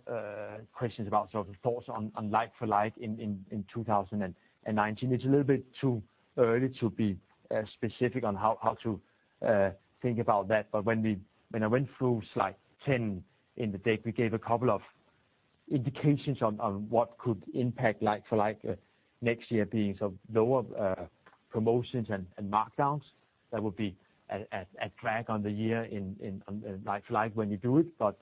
questions about sort of thoughts on like-for-like in 2019, it's a little bit too early to be specific on how to think about that. But when I went through slide 10 in the deck, we gave a couple of indications on what could impact like-for-like next year, being sort of lower promotions and markdowns. That would be a drag on the year on like-for-like when you do it, but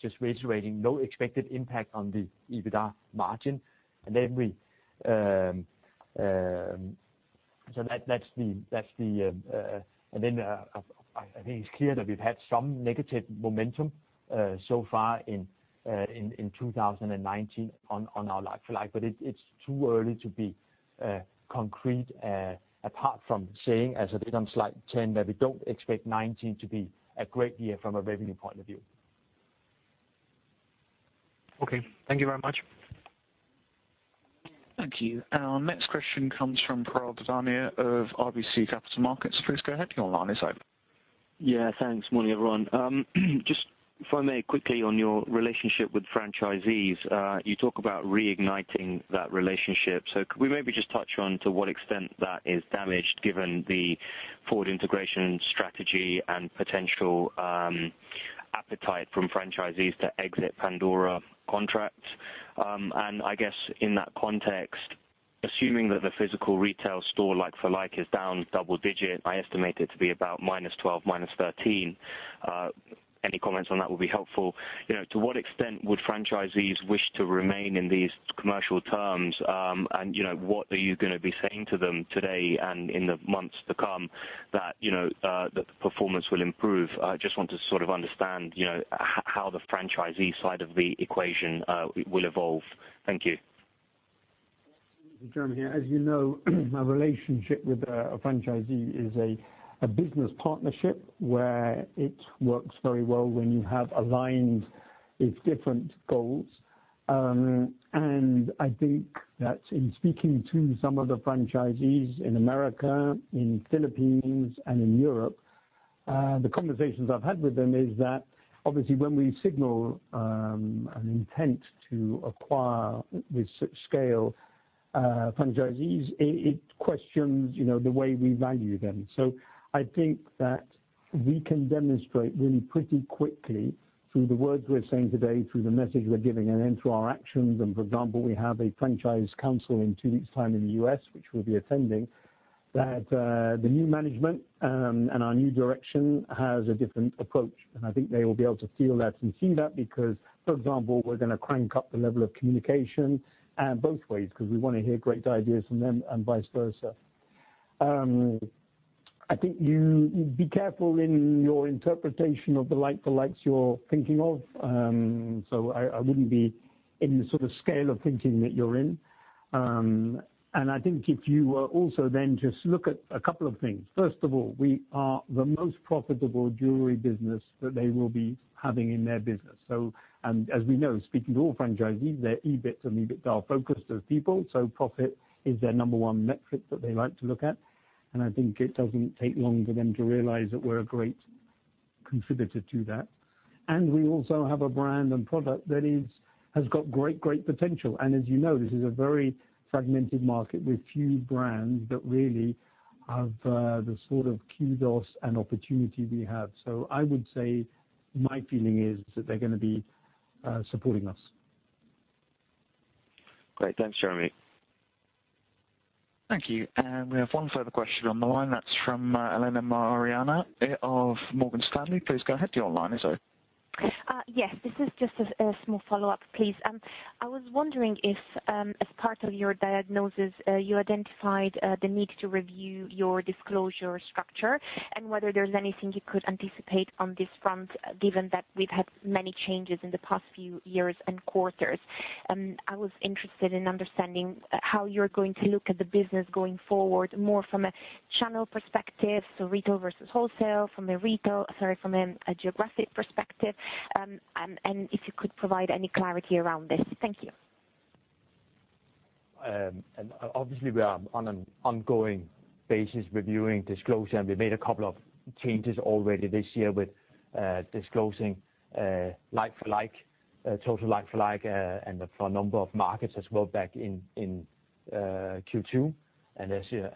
just reiterating, no expected impact on the EBITDA margin. And then... So that's the... And then, I think it's clear that we've had some negative momentum so far in 2019 on our like-for-like, but it's too early to be concrete, apart from saying as it is on slide 10, that we don't expect 2019 to be a great year from a revenue point of view. Okay. Thank you very much. Thank you. Our next question comes from Piral Dadhania of RBC Capital Markets. Please go ahead, your line is open. Yeah, thanks. Morning, everyone. Just if I may, quickly on your relationship with franchisees, you talk about reigniting that relationship. So could we maybe just touch on to what extent that is damaged, given the forward integration strategy and potential appetite from franchisees to exit Pandora contracts? And I guess in that context, assuming that the physical retail store like-for-like is down double-digit, I estimate it to be about -12, -13, any comments on that would be helpful. You know, to what extent would franchisees wish to remain in these commercial terms? And, you know, what are you gonna be saying to them today, and in the months to come, that the performance will improve? I just want to sort of understand, you know, how the franchisee side of the equation will evolve. Thank you. Jeremy here. As you know, our relationship with a franchisee is a business partnership, where it works very well when you have aligned its different goals. And I think that in speaking to some of the franchisees in America, in Philippines, and in Europe, the conversations I've had with them is that obviously, when we signal an intent to acquire this scale franchisees, it questions, you know, the way we value them. So I think that we can demonstrate really pretty quickly through the words we're saying today, through the message we're giving, and then through our actions, and for example, we have a franchise council in two weeks' time in the U.S., which we'll be attending, that the new management and our new direction has a different approach. And I think they will be able to feel that and see that, because, for example, we're gonna crank up the level of communication, both ways, 'cause we wanna hear great ideas from them and vice versa. I think you be careful in your interpretation of the like-for-likes you're thinking of. So I wouldn't be in the sort of scale of thinking that you're in. And I think if you also then just look at a couple of things. First of all, we are the most profitable jewelry business that they will be having in their business. So, and as we know, speaking to all franchisees, their EBIT and EBITDA are focused those people, so profit is their number one metric that they like to look at, and I think it doesn't take long for them to realize that we're a great partner. Contributed to that. And we also have a brand and product that is, has got great, great potential. And as you know, this is a very fragmented market with few brands that really have the sort of kudos and opportunity we have. So I would say my feeling is that they're gonna be supporting us. Great. Thanks, Jeremy. Thank you. We have one further question on the line. That's from Elena Mariani of Morgan Stanley. Please go ahead, your line is open. Yes, this is just a small follow-up, please. I was wondering if, as part of your diagnosis, you identified the need to review your disclosure structure, and whether there's anything you could anticipate on this front, given that we've had many changes in the past few years and quarters. I was interested in understanding how you're going to look at the business going forward, more from a channel perspective, so retail versus wholesale, from a retail - sorry, from a geographic perspective. And if you could provide any clarity around this. Thank you. Obviously, we are on an ongoing basis reviewing disclosure, and we made a couple of changes already this year with disclosing like-for-like total like-for-like and for a number of markets as well, back in Q2. And this year,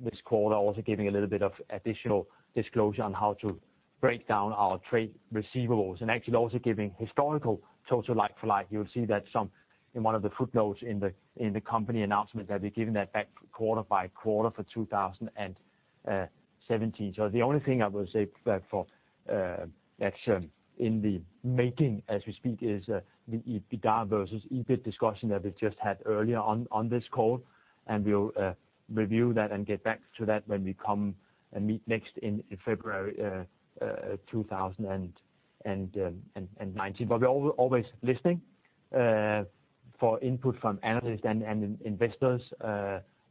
this quarter, also giving a little bit of additional disclosure on how to break down our trade receivables, and actually also giving historical total like-for-like. You'll see that in one of the footnotes in the company announcement, that we've given that back quarter by quarter for 2017. So the only thing I will say that for, actually in the making, as we speak, is the EBITDA versus EBIT discussion that we just had earlier on this call, and we'll review that and get back to that when we come and meet next in February 2019. But we're always listening for input from analysts and investors,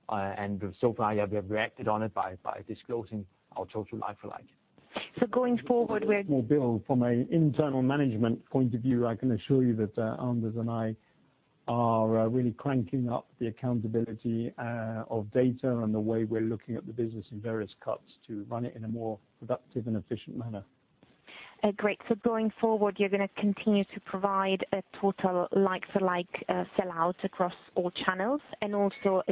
and so far, we have reacted on it by disclosing our total like-for-like. Going forward, we're- Bill, from an internal management point of view, I can assure you that Anders and I are really cranking up the accountability of data and the way we're looking at the business in various cuts to run it in a more productive and efficient manner. Great. So going forward, you're gonna continue to provide a total like-for-like sellout across all channels, and also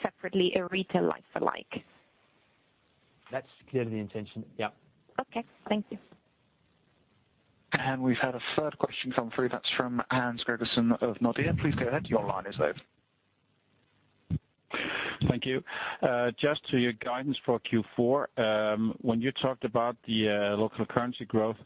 separately, a retail like-for-like? That's clearly the intention, yep. Okay, thank you. We've had a third question come through. That's from Hans Gregersen of Nordea. Please go ahead, your line is open. Thank you. Just to your guidance for Q4, when you talked about the local currency growth,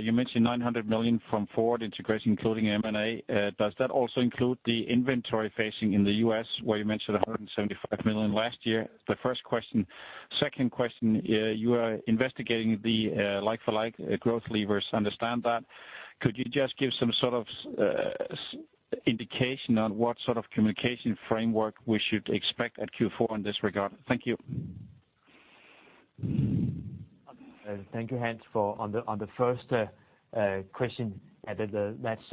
you mentioned 900 million from forward integration, including M&A. Does that also include the inventory phasing in the U.S., where you mentioned 175 million last year? The first question. Second question, you are investigating the like-for-like growth levers. Understand that. Could you just give some sort of indication on what sort of communication framework we should expect at Q4 in this regard? Thank you. Thank you, Hans, for... On the first question, that's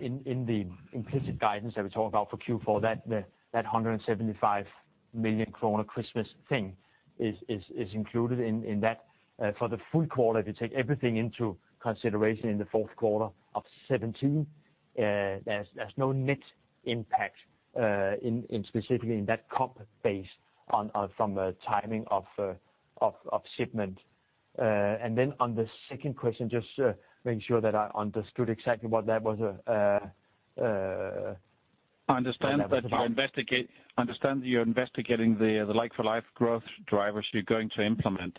in the implicit guidance that we talk about for Q4, that hundred and seventy-five million kroner Christmas thing is included in that. For the full quarter, if you take everything into consideration in the fourth quarter of 2017, there's no net impact in specifically in that comp base on from a timing of shipment. And then on the second question, just to make sure that I understood exactly what that was. I understand you're investigating the like-for-like growth drivers you're going to implement.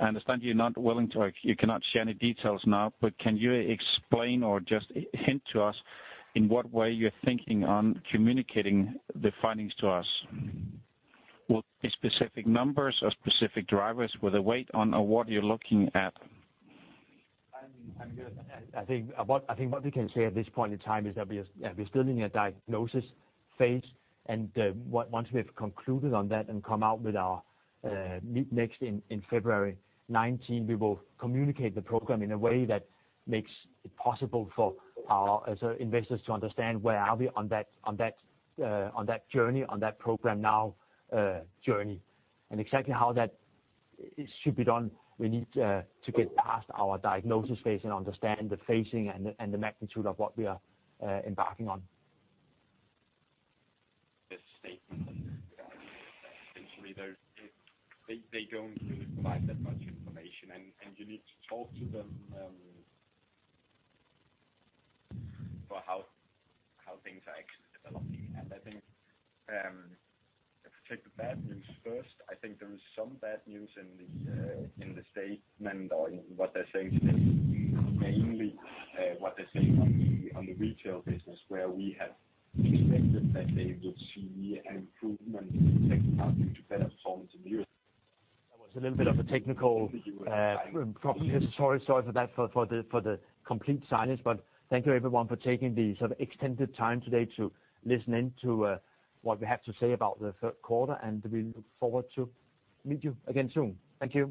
I understand you're not willing to, or you cannot share any details now, but can you explain or just hint to us in what way you're thinking on communicating the findings to us? Will it be specific numbers or specific drivers with a weight on, or what you're looking at? I think what we can say at this point in time is that we're still in a diagnosis phase. And once we've concluded on that and come out with our meeting next in February 2019, we will communicate the Programme NOW in a way that makes it possible for our investors to understand where we are on that Programme NOW journey. And exactly how that should be done, we need to get past our diagnosis phase and understand the phasing and the magnitude of what we are embarking on. The statement that essentially they don't really provide that much information, and you need to talk to them for how things are actually developing. I think if you take the bad news first, I think there is some bad news in the statement or in what they're saying today, mainly what they're saying on the retail business, where we had expected that they would see an improvement in the second half due to better performance in Europe. That was a little bit of a technical probably. Sorry, sorry for that, for the complete silence, but thank you, everyone, for taking the sort of extended time today to listen in to what we have to say about the third quarter, and we look forward to meet you again soon. Thank you.